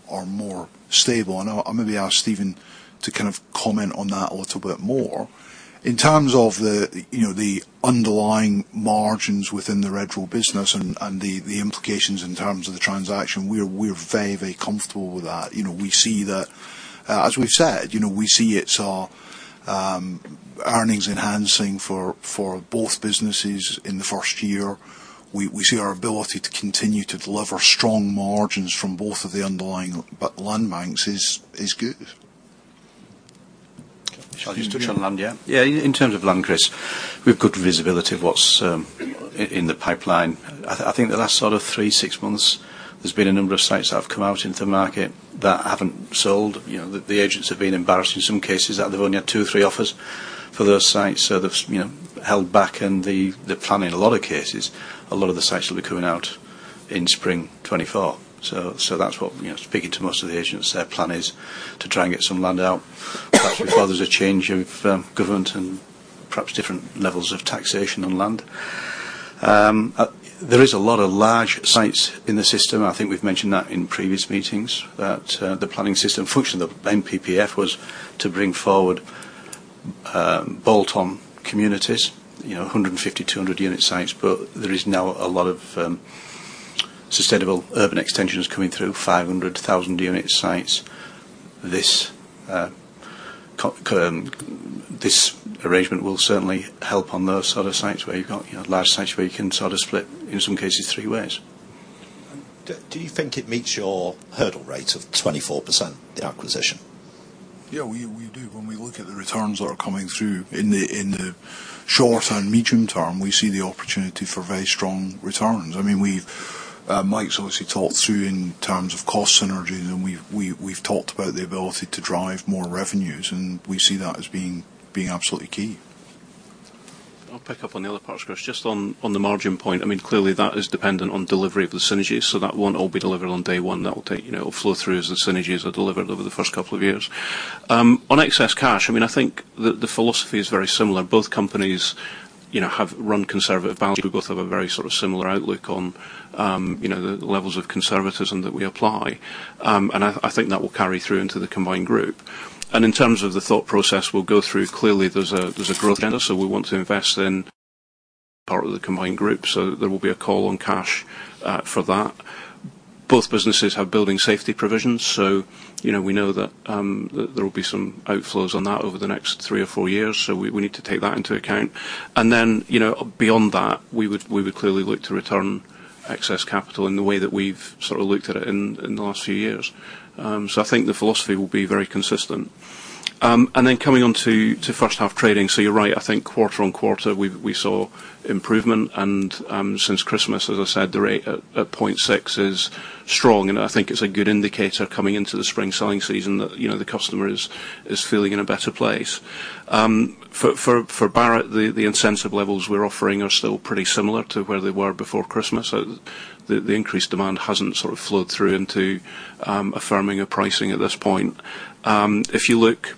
more stable. And I maybe ask Steven to kind of comment on that a little bit more. In terms of the, you know, the underlying margins within the Redrow business and the implications in terms of the transaction, we're very comfortable with that. You know, we see that, as we've said, you know, we see it's earnings enhancing for both businesses in the first year. We see our ability to continue to deliver strong margins from both of the underlying land banks is good. Shall I just touch on land, yeah? Yeah, in terms of land, Chris, we've got good visibility of what's in the pipeline. I think the last sort three to six months, there's been a number of sites that have come out into the market that haven't sold. You know, the agents have been embarrassed in some cases, that they've only had two or three offers for those sites. So there's, you know, held back, and the planning, a lot of cases, a lot of the sites will be coming out in spring 2024. So that's what, you know, speaking to most of the agents, their plan is to try and get some land out, perhaps before there's a change of government and perhaps different levels of taxation on land. There is a lot of large sites in the system. I think we've mentioned that in previous meetings, that, the planning system, function of PPF, was to bring forward, bolt-on communities, you know, 150-200 unit sites, but there is now a lot of, sustainable urban extensions coming through, 500-1,000 unit sites. This, this arrangement will certainly help on those sort of sites, where you've got, you know, large sites where you can sort of split, in some cases, three ways. Do you think it meets your hurdle rate of 24%, the acquisition? Yeah, we do. When we look at the returns that are coming through in the short and medium term, we see the opportunity for very strong returns. I mean, Mike's obviously talked through in terms of cost synergies, and we've talked about the ability to drive more revenues, and we see that as being absolutely key. I'll pick up on the other parts, Chris. Just on, on the margin point, I mean, clearly, that is dependent on delivery of the synergies, so that won't all be delivered on day one. That will take, you know, it'll flow through as the synergies are delivered over the first couple of years. On excess cash, I mean, I think that the philosophy is very similar. Both companies, you know, have run conservative balance. We both have a very sort of similar outlook on, you know, the levels of conservatism that we apply. And I think that will carry through into the combined group. And in terms of the thought process, we'll go through, clearly, there's a, there's a growth agenda, so we want to invest in part of the combined group, so there will be a call on cash, for that. Both businesses have building safety provisions, so, you know, we know that there will be some outflows on that over the next three or four years, so we need to take that into account. And then, you know, beyond that, we would clearly look to return excess capital in the way that we've sort of looked at it in the last few years. So I think the philosophy will be very consistent. And then coming on to first half trading, so you're right, I think quarter-over-quarter, we saw improvement, and since Christmas, as I said, the rate at 0.6 is strong, and I think it's a good indicator coming into the spring selling season, that, you know, the customer is feeling in a better place. For Barratt, the incentive levels we're offering are still pretty similar to where they were before Christmas. The increased demand hasn't sort of flowed through into affirming a pricing at this point. If you look,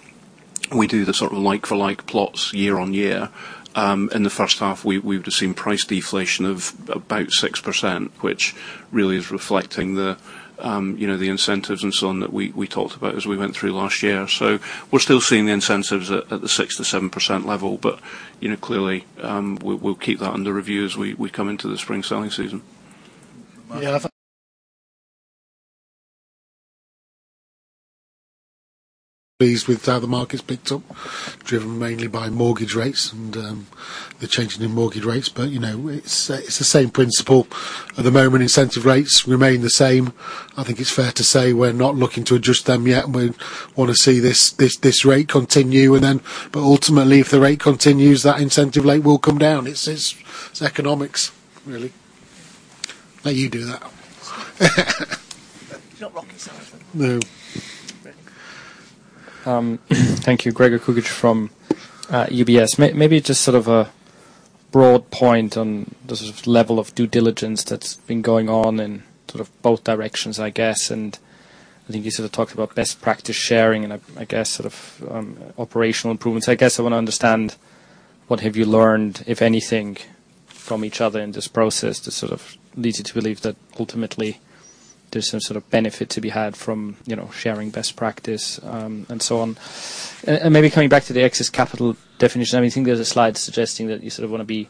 we do the sort of like-for-like plots year on year. In the first half, we've just seen price deflation of about 6%, which really is reflecting the, you know, the incentives and so on that we talked about as we went through last year. So we're still seeing the incentives at the 6%-7% level, but, you know, clearly, we'll keep that under review as we come into the spring selling season. Yeah, I think pleased with how the market's picked up, driven mainly by mortgage rates and the change in the mortgage rates, but, you know, it's, it's the same principle. At the moment, incentive rates remain the same. I think it's fair to say we're not looking to adjust them yet. We want to see this rate continue, and then, but ultimately, if the rate continues, that incentive rate will come down. It's economics, really. Let you do that. It's not rocket science. No. Thank you. Gregor Kuglitsch from UBS. Maybe just sort of a broad point on the sort of level of due diligence that's been going on in sort of both directions, I guess, and I think you sort of talked about best practice sharing and, I guess, sort of, operational improvements. I guess I want to understand what have you learned, if anything, from each other in this process to sort of lead you to believe that ultimately there's some sort of benefit to be had from, you know, sharing best practice, and so on? And maybe coming back to the excess capital definition, I mean, I think there's a slide suggesting that you sort of want to be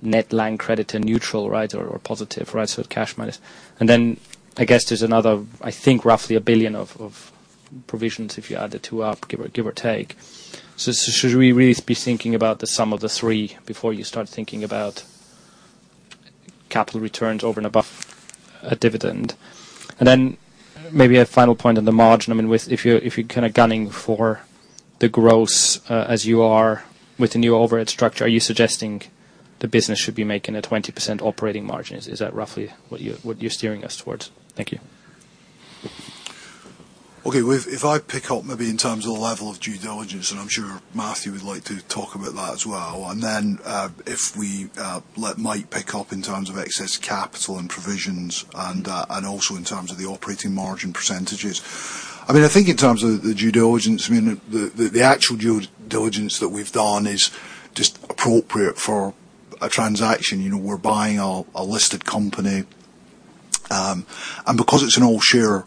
net line credit to neutral, right? Or positive, right, so cash minus. I guess there's another, I think, roughly 1 billion of provisions, if you add the two up, give or take. So should we really be thinking about the sum of the three before you start thinking about capital returns over and above a dividend? Maybe a final point on the margin. I mean, with if you're kind of gunning for the gross, as you are with the new overhead structure, are you suggesting the business should be making a 20% operating margin? Is that roughly what you're steering us towards? Thank you. Okay. Well, if I pick up maybe in terms of the level of due diligence, and I'm sure Matthew would like to talk about that as well, and then, if we let Mike pick up in terms of excess capital and provisions and also in terms of the operating margin percentages. I mean, I think in terms of the due diligence, I mean, the actual due diligence that we've done is just appropriate for a transaction. You know, we're buying a listed company. And because it's an all share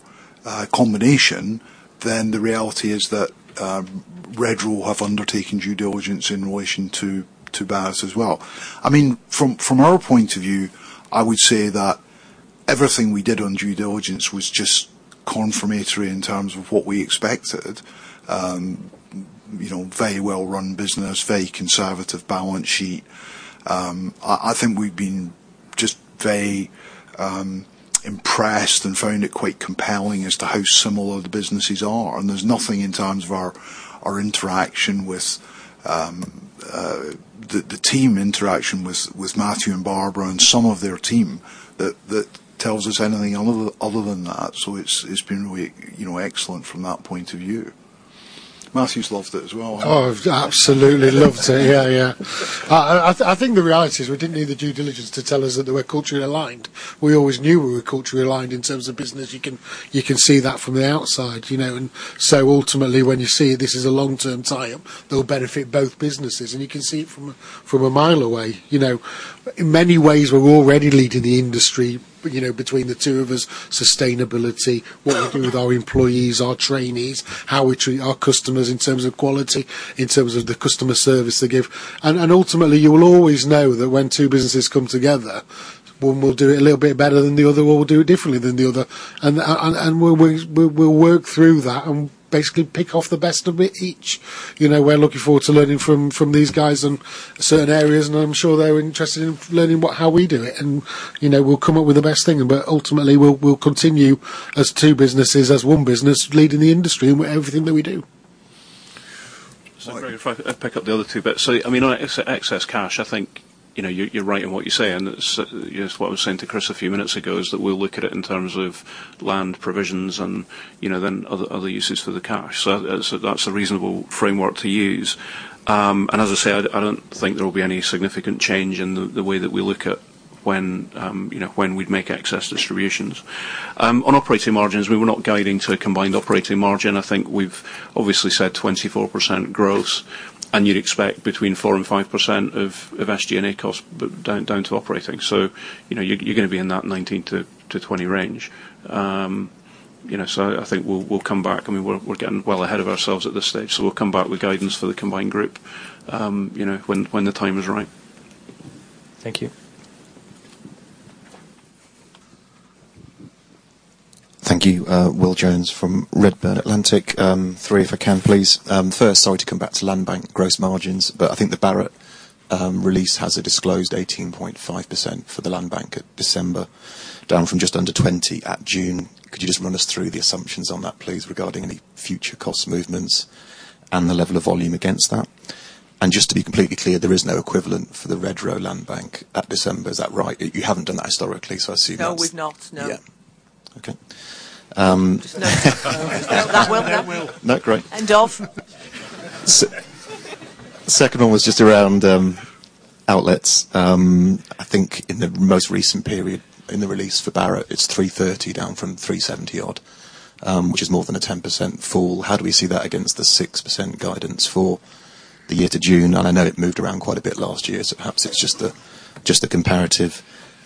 combination, then the reality is that Redrow have undertaken due diligence in relation to Barratt as well. I mean, from our point of view, I would say that everything we did on due diligence was just confirmatory in terms of what we expected. You know, very well-run business, very conservative balance sheet. I think we've been just very impressed and found it quite compelling as to how similar the businesses are. And there's nothing in terms of our interaction with the team interaction with Matthew and Barbara, and some of their team, that tells us anything other than that. So it's been really, you know, excellent from that point of view. Matthew's loved it as well. Oh, absolutely loved it. Yeah, yeah. I, I, I think the reality is we didn't need the due diligence to tell us that we're culturally aligned. We always knew we were culturally aligned in terms of business. You can, you can see that from the outside, you know. And so ultimately, when you see this is a long-term tie-up, it'll benefit both businesses, and you can see it from a, from a mile away, you know. In many ways, we're already leading the industry, you know, between the two of us, sustainability, what we do with our employees, our trainees, how we treat our customers in terms of quality, in terms of the customer service they give. And, and ultimately, you will always know that when two businesses come together, one will do it a little bit better than the other, one will do it differently than the other. We'll work through that and basically pick off the best of it each. You know, we're looking forward to learning from these guys in certain areas, and I'm sure they're interested in learning what, how we do it. You know, we'll come up with the best thing, but ultimately, we'll continue as two businesses, as one business, leading the industry in everything that we do. All right- So if I pick up the other two bits. So, I mean, on excess cash, I think, you know, you're right in what you're saying. It's, you know, what I was saying to Chris a few minutes ago, is that we'll look at it in terms of land provisions and, you know, then other uses for the cash. So that's a reasonable framework to use. And as I said, I don't think there will be any significant change in the way that we look at when, you know, when we'd make excess distributions. On operating margins, we were not guiding to a combined operating margin. I think we've obviously said 24% growth, and you'd expect between 4%-5% of SG&A costs, but down to operating. So, you know, you're gonna be in that 19-20 range. You know, so I think we'll come back, and we're getting well ahead of ourselves at this stage, so we'll come back with guidance for the combined group, you know, when the time is right. Thank you. Thank you. Will Jones from Redburn Atlantic. Three, if I can, please. First, sorry to come back to land bank gross margins, but I think the Barratt release has a disclosed 18.5% for the land bank at December, down from just under 20% at June. Could you just run us through the assumptions on that, please, regarding any future cost movements and the level of volume against that? And just to be completely clear, there is no equivalent for the Redrow land bank at December. Is that right? You haven't done that historically, so I assume that's- No, we've not. No. Yeah. Okay. Just no. That will do. That will. No, great. And off. Second one was just around outlets. I think in the most recent period in the release for Barratt, it's 330 down from 370 odd, which is more than a 10% fall. How do we see that against the 6% guidance for the year to June? And I know it moved around quite a bit last year, so perhaps it's just the comparative,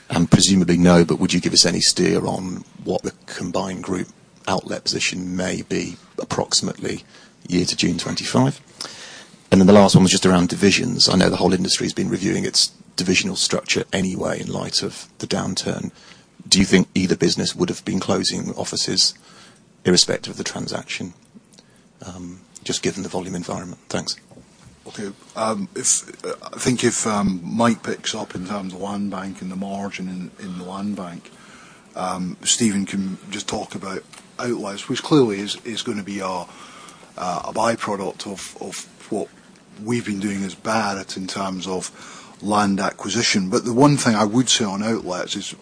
and presumably no, but would you give us any steer on what the combined group outlet position may be, approximately year to June 2025? And then the last one was just around divisions. I know the whole industry has been reviewing its divisional structure anyway, in light of the downturn. Do you think either business would have been closing offices irrespective of the transaction, just given the volume environment? Thanks. Okay. I think if Mike picks up in terms of landbank and the margin in the landbank, Steven can just talk about outlets, which clearly is gonna be a by-product of what we've been doing as Barratt in terms of land acquisition. But the one thing I would say on outlets is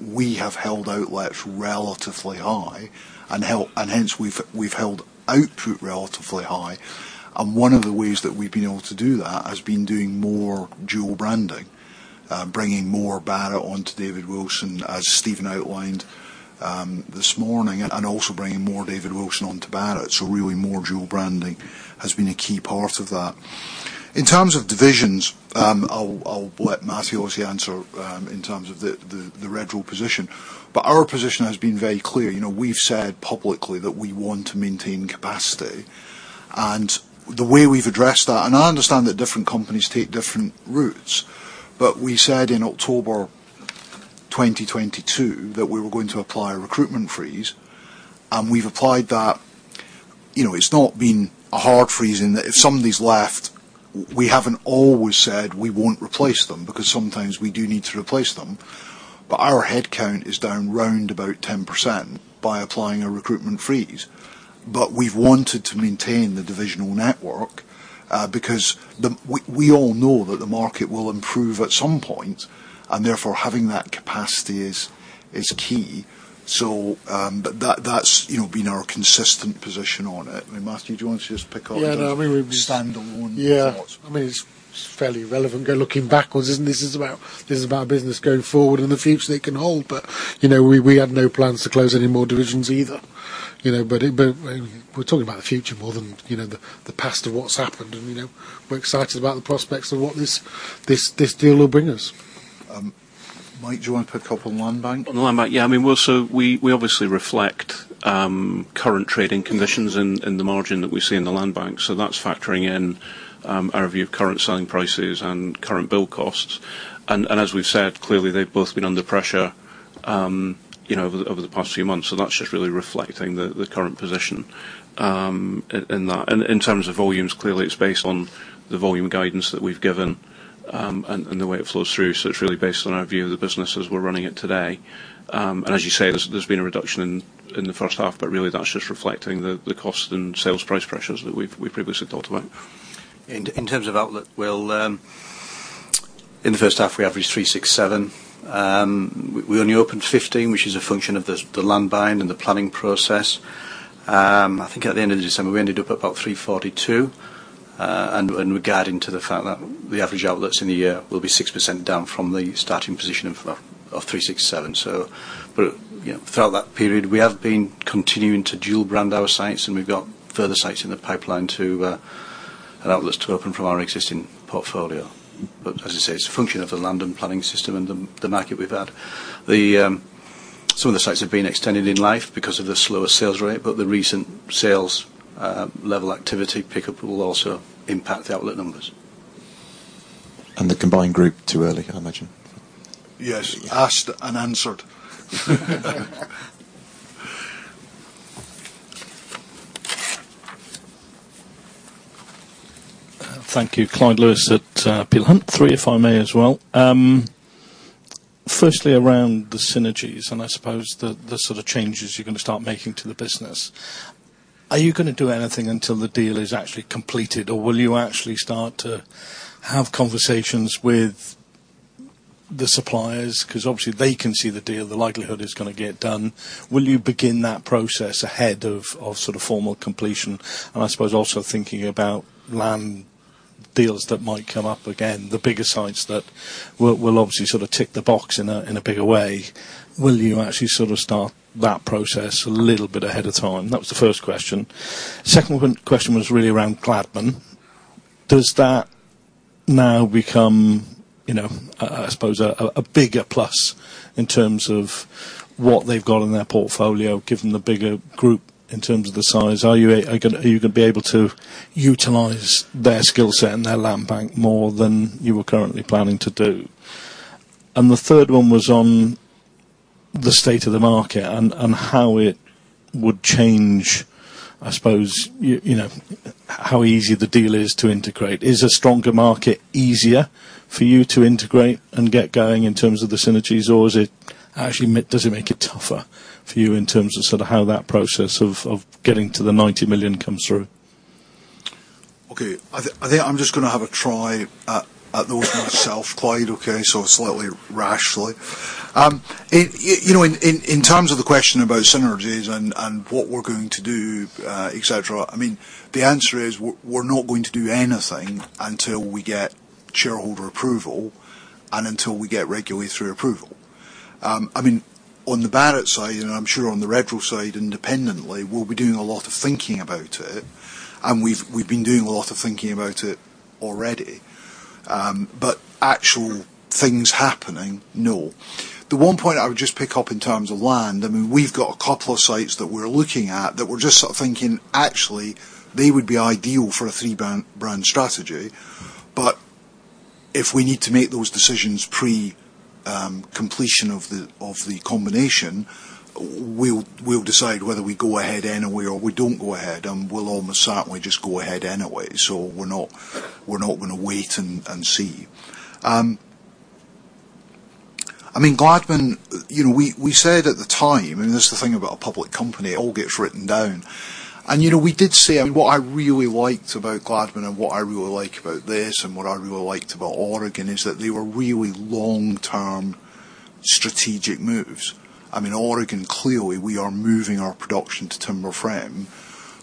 we have held outlets relatively high, and hence, we've held output relatively high. And one of the ways that we've been able to do that has been doing more dual branding, bringing more Barratt onto David Wilson, as Steven outlined this morning, and also bringing more David Wilson onto Barratt. So really, more dual branding has been a key part of that. In terms of divisions, I'll let Matthew obviously answer in terms of the Redrow position. But our position has been very clear. You know, we've said publicly that we want to maintain capacity. And the way we've addressed that. And I understand that different companies take different routes, but we said in October 2022 that we were going to apply a recruitment freeze, and we've applied that. You know, it's not been a hard freeze in that if somebody's left, we haven't always said we won't replace them, because sometimes we do need to replace them. But our headcount is down around about 10% by applying a recruitment freeze. But we've wanted to maintain the divisional network, because we all know that the market will improve at some point, and therefore, having that capacity is key. So, but that, that's, you know, been our consistent position on it. I mean, Matthew, do you want to just pick up? Yeah, no, I mean, we- Standalone thoughts? Yeah. I mean, it's, it's fairly relevant go looking backwards, isn't this? This is about, this is about business going forward and the future it can hold. But, you know, we, we had no plans to close any more divisions either, you know? But it, but, I mean, we're talking about the future more than, you know, the, the past of what's happened, and, you know, we're excited about the prospects of what this, this, this deal will bring us. Mike, do you want to pick up on land bank? On the land bank, yeah, I mean, So we obviously reflect current trading conditions in the margin that we see in the land bank, so that's factoring in our view of current selling prices and current build costs. And as we've said, clearly, they've both been under pressure, you know, over the past few months, so that's just really reflecting the current position in that. And in terms of volumes, clearly it's based on the volume guidance that we've given, and the way it flows through, so it's really based on our view of the business as we're running it today. And as you say, there's been a reduction in the first half, but really, that's just reflecting the cost and sales price pressures that we've previously talked about. In terms of outlet, we'll in the first half, we averaged 367. We only opened 15, which is a function of the land buying and the planning process. I think at the end of December, we ended up about 342, and regarding to the fact that the average outlets in the year will be 6% down from the starting position of 367. So, but, you know, throughout that period, we have been continuing to dual brand our sites, and we've got further sites in the pipeline to and outlets to open from our existing portfolio. But as I say, it's a function of the land and planning system and the market we've had. Some of the sites have been extended in life because of the slower sales rate, but the recent sales level activity pickup will also impact the outlet numbers. And the combined group, too early, I imagine? Yes, asked and answered. Thank you. Clyde Lewis at Peel Hunt. Three, if I may, as well. Firstly, around the synergies, and I suppose the sort of changes you're going to start making to the business. Are you gonna do anything until the deal is actually completed, or will you actually start to have conversations with the suppliers? 'Cause obviously, they can see the deal, the likelihood it's gonna get done. Will you begin that process ahead of sort of formal completion? And I suppose also thinking about land deals that might come up again, the bigger sites that will obviously sort of tick the box in a bigger way. Will you actually sort of start that process a little bit ahead of time? That was the first question. Second one, question was really around Gladman. Does that now become, you know, I suppose, a bigger plus in terms of what they've got in their portfolio, given the bigger group in terms of the size? Are you gonna be able to utilize their skill set and their land bank more than you were currently planning to do? And the third one was on the state of the market and how it would change, I suppose, you know, how easy the deal is to integrate. Is a stronger market easier for you to integrate and get going in terms of the synergies, or is it actually does it make it tougher for you in terms of sort of how that process of getting to the 90 million comes through? Okay. I think I'm just gonna have a try at those myself, Clyde, okay? So slightly rashly. You know, in terms of the question about synergies and what we're going to do, et cetera, I mean, the answer is, we're not going to do anything until we get shareholder approval and until we get regulatory approval. I mean, on the Barratt side, and I'm sure on the Redrow side, independently, we'll be doing a lot of thinking about it, and we've been doing a lot of thinking about it already. But actual things happening, no. The one point I would just pick up in terms of land, I mean, we've got a couple of sites that we're looking at that we're just sort of thinking, actually, they would be ideal for a three-brand brand strategy. But if we need to make those decisions pre completion of the, of the combination, we'll decide whether we go ahead anyway or we don't go ahead, and we'll almost certainly just go ahead anyway. So we're not, we're not gonna wait and see. I mean, Gladman, you know, we said at the time, and that's the thing about a public company, it all gets written down. And, you know, we did say, and what I really liked about Gladman and what I really like about this, and what I really liked about Oregon, is that they were really long-term strategic moves. I mean, Oregon, clearly, we are moving our production to timber frame.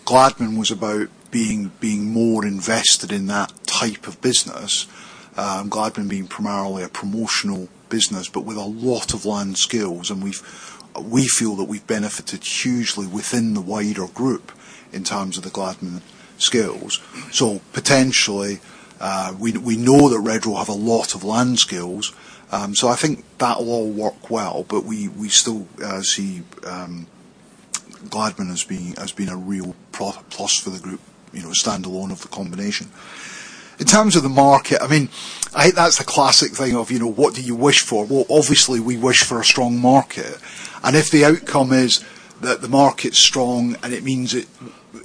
Gladman was about being more invested in that type of business. Gladman being primarily a promotional business, but with a lot of land skills, and we feel that we've benefited hugely within the wider group in terms of the Gladman skills. So potentially, we know that Redrow have a lot of land skills. So I think that will all work well, but we still see Gladman as being a real pro-plus for the group, you know, standalone of the combination. In terms of the market, I mean, I think that's the classic thing of, you know, what do you wish for? Well, obviously, we wish for a strong market, and if the outcome is that the market's strong, and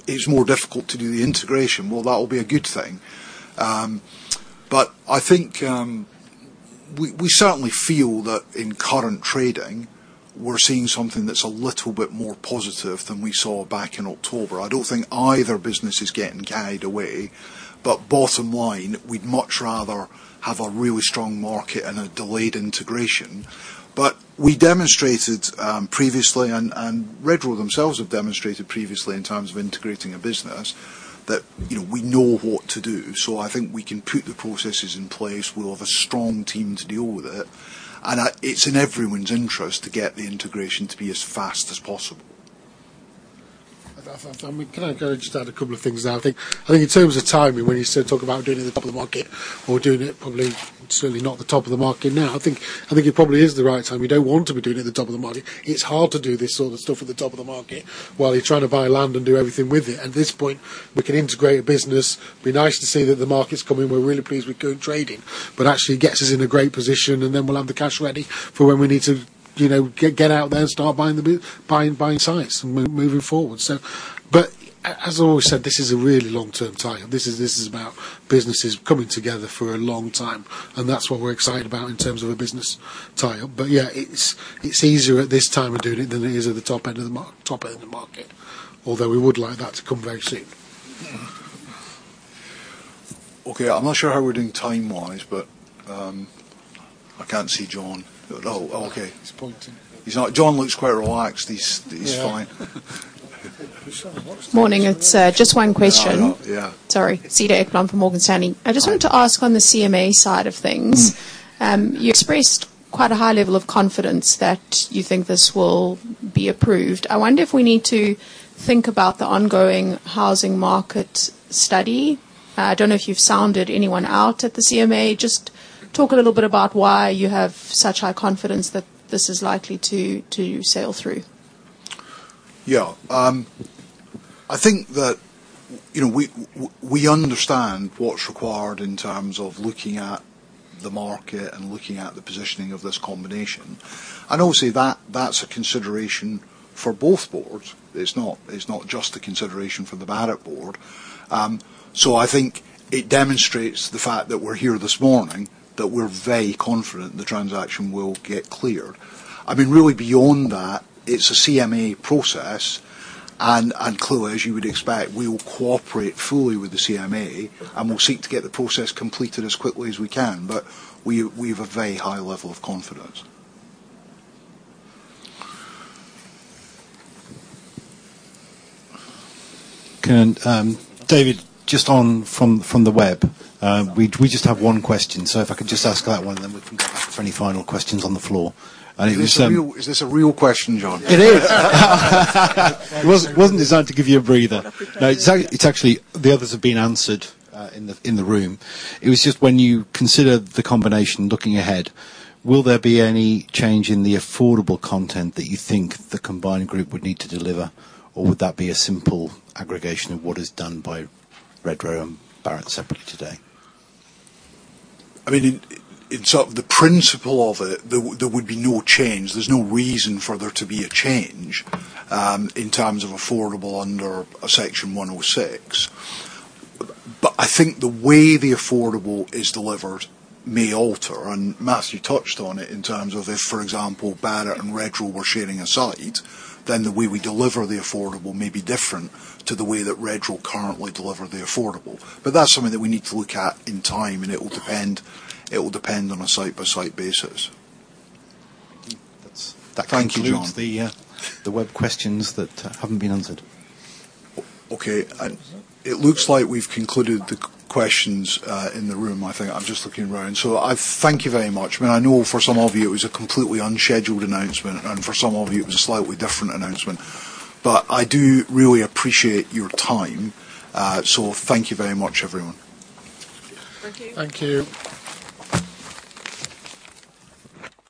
it's more difficult to do the integration, well, that will be a good thing. But I think we certainly feel that in current trading, we're seeing something that's a little bit more positive than we saw back in October. I don't think either business is getting carried away, but bottom line, we'd much rather have a really strong market and a delayed integration. But we demonstrated previously, and Redrow themselves have demonstrated previously in terms of integrating a business, that you know, we know what to do. So I think we can put the processes in place. We'll have a strong team to deal with it, and it's in everyone's interest to get the integration to be as fast as possible. Can I just add a couple of things now? I think, I think in terms of timing, when you said talk about doing it at the top of the market or doing it probably, certainly not the top of the market now, I think, I think it probably is the right time. We don't want to be doing it at the top of the market. It's hard to do this sort of stuff at the top of the market while you're trying to buy land and do everything with it. At this point, we can integrate a business. Be nice to see that the market's coming. We're really pleased with good trading, but actually gets us in a great position, and then we'll have the cash ready for when we need to, you know, get out there and start buying sites and moving forward. So, but as I always said, this is a really long-term tie-up. This is, this is about businesses coming together for a long time, and that's what we're excited about in terms of a business tie-up. But yeah, it's, it's easier at this time of doing it than it is at the top end of the market, although we would like that to come very soon. Okay, I'm not sure how we're doing time-wise, but I can't see John. Oh, okay. He's pointing. John looks quite relaxed. He's fine. Yeah. Morning, it's just one question. Yeah. Sorry. Cedar Ekblom from Morgan Stanley. I just wanted to ask on the CMA side of things. You expressed quite a high level of confidence that you think this will be approved. I wonder if we need to think about the ongoing housing market study. I don't know if you've sounded anyone out at the CMA. Just talk a little bit about why you have such high confidence that this is likely to sail through. Yeah. I think that, you know, we understand what's required in terms of looking at the market and looking at the positioning of this combination. And obviously, that, that's a consideration for both boards. It's not just a consideration for the Barratt board. So I think it demonstrates the fact that we're here this morning, that we're very confident the transaction will get cleared. I mean, really beyond that, it's a CMA process, and clearly, as you would expect, we will cooperate fully with the CMA, and we'll seek to get the process completed as quickly as we can, but we've a very high level of confidence. Okay, David, just one from the web, we just have one question. So if I could just ask that one, and then we can go for any final questions on the floor. And it was, Is this a real, is this a real question, John? It is. It wasn't designed to give you a breather. No, it's actually, the others have been answered in the room. It was just when you consider the combination looking ahead, will there be any change in the affordable content that you think the combined group would need to deliver, or would that be a simple aggregation of what is done by Redrow and Barratt separately today? I mean, so the principle of it, there would be no change. There's no reason for there to be a change in terms of affordable under a Section 106. But I think the way the affordable is delivered may alter, and Matthew touched on it in terms of if, for example, Barratt and Redrow were sharing a site, then the way we deliver the affordable may be different to the way that Redrow currently deliver the affordable. But that's something that we need to look at in time, and it will depend, it will depend on a site-by-site basis. Thank you. That's- Thank you, John. -concludes the web questions that haven't been answered. Okay. And it looks like we've concluded the questions in the room. I think I'm just looking around. So I thank you very much. I mean, I know for some of you, it was a completely unscheduled announcement, and for some of you, it was a slightly different announcement. But I do really appreciate your time, so thank you very much, everyone. Thank you.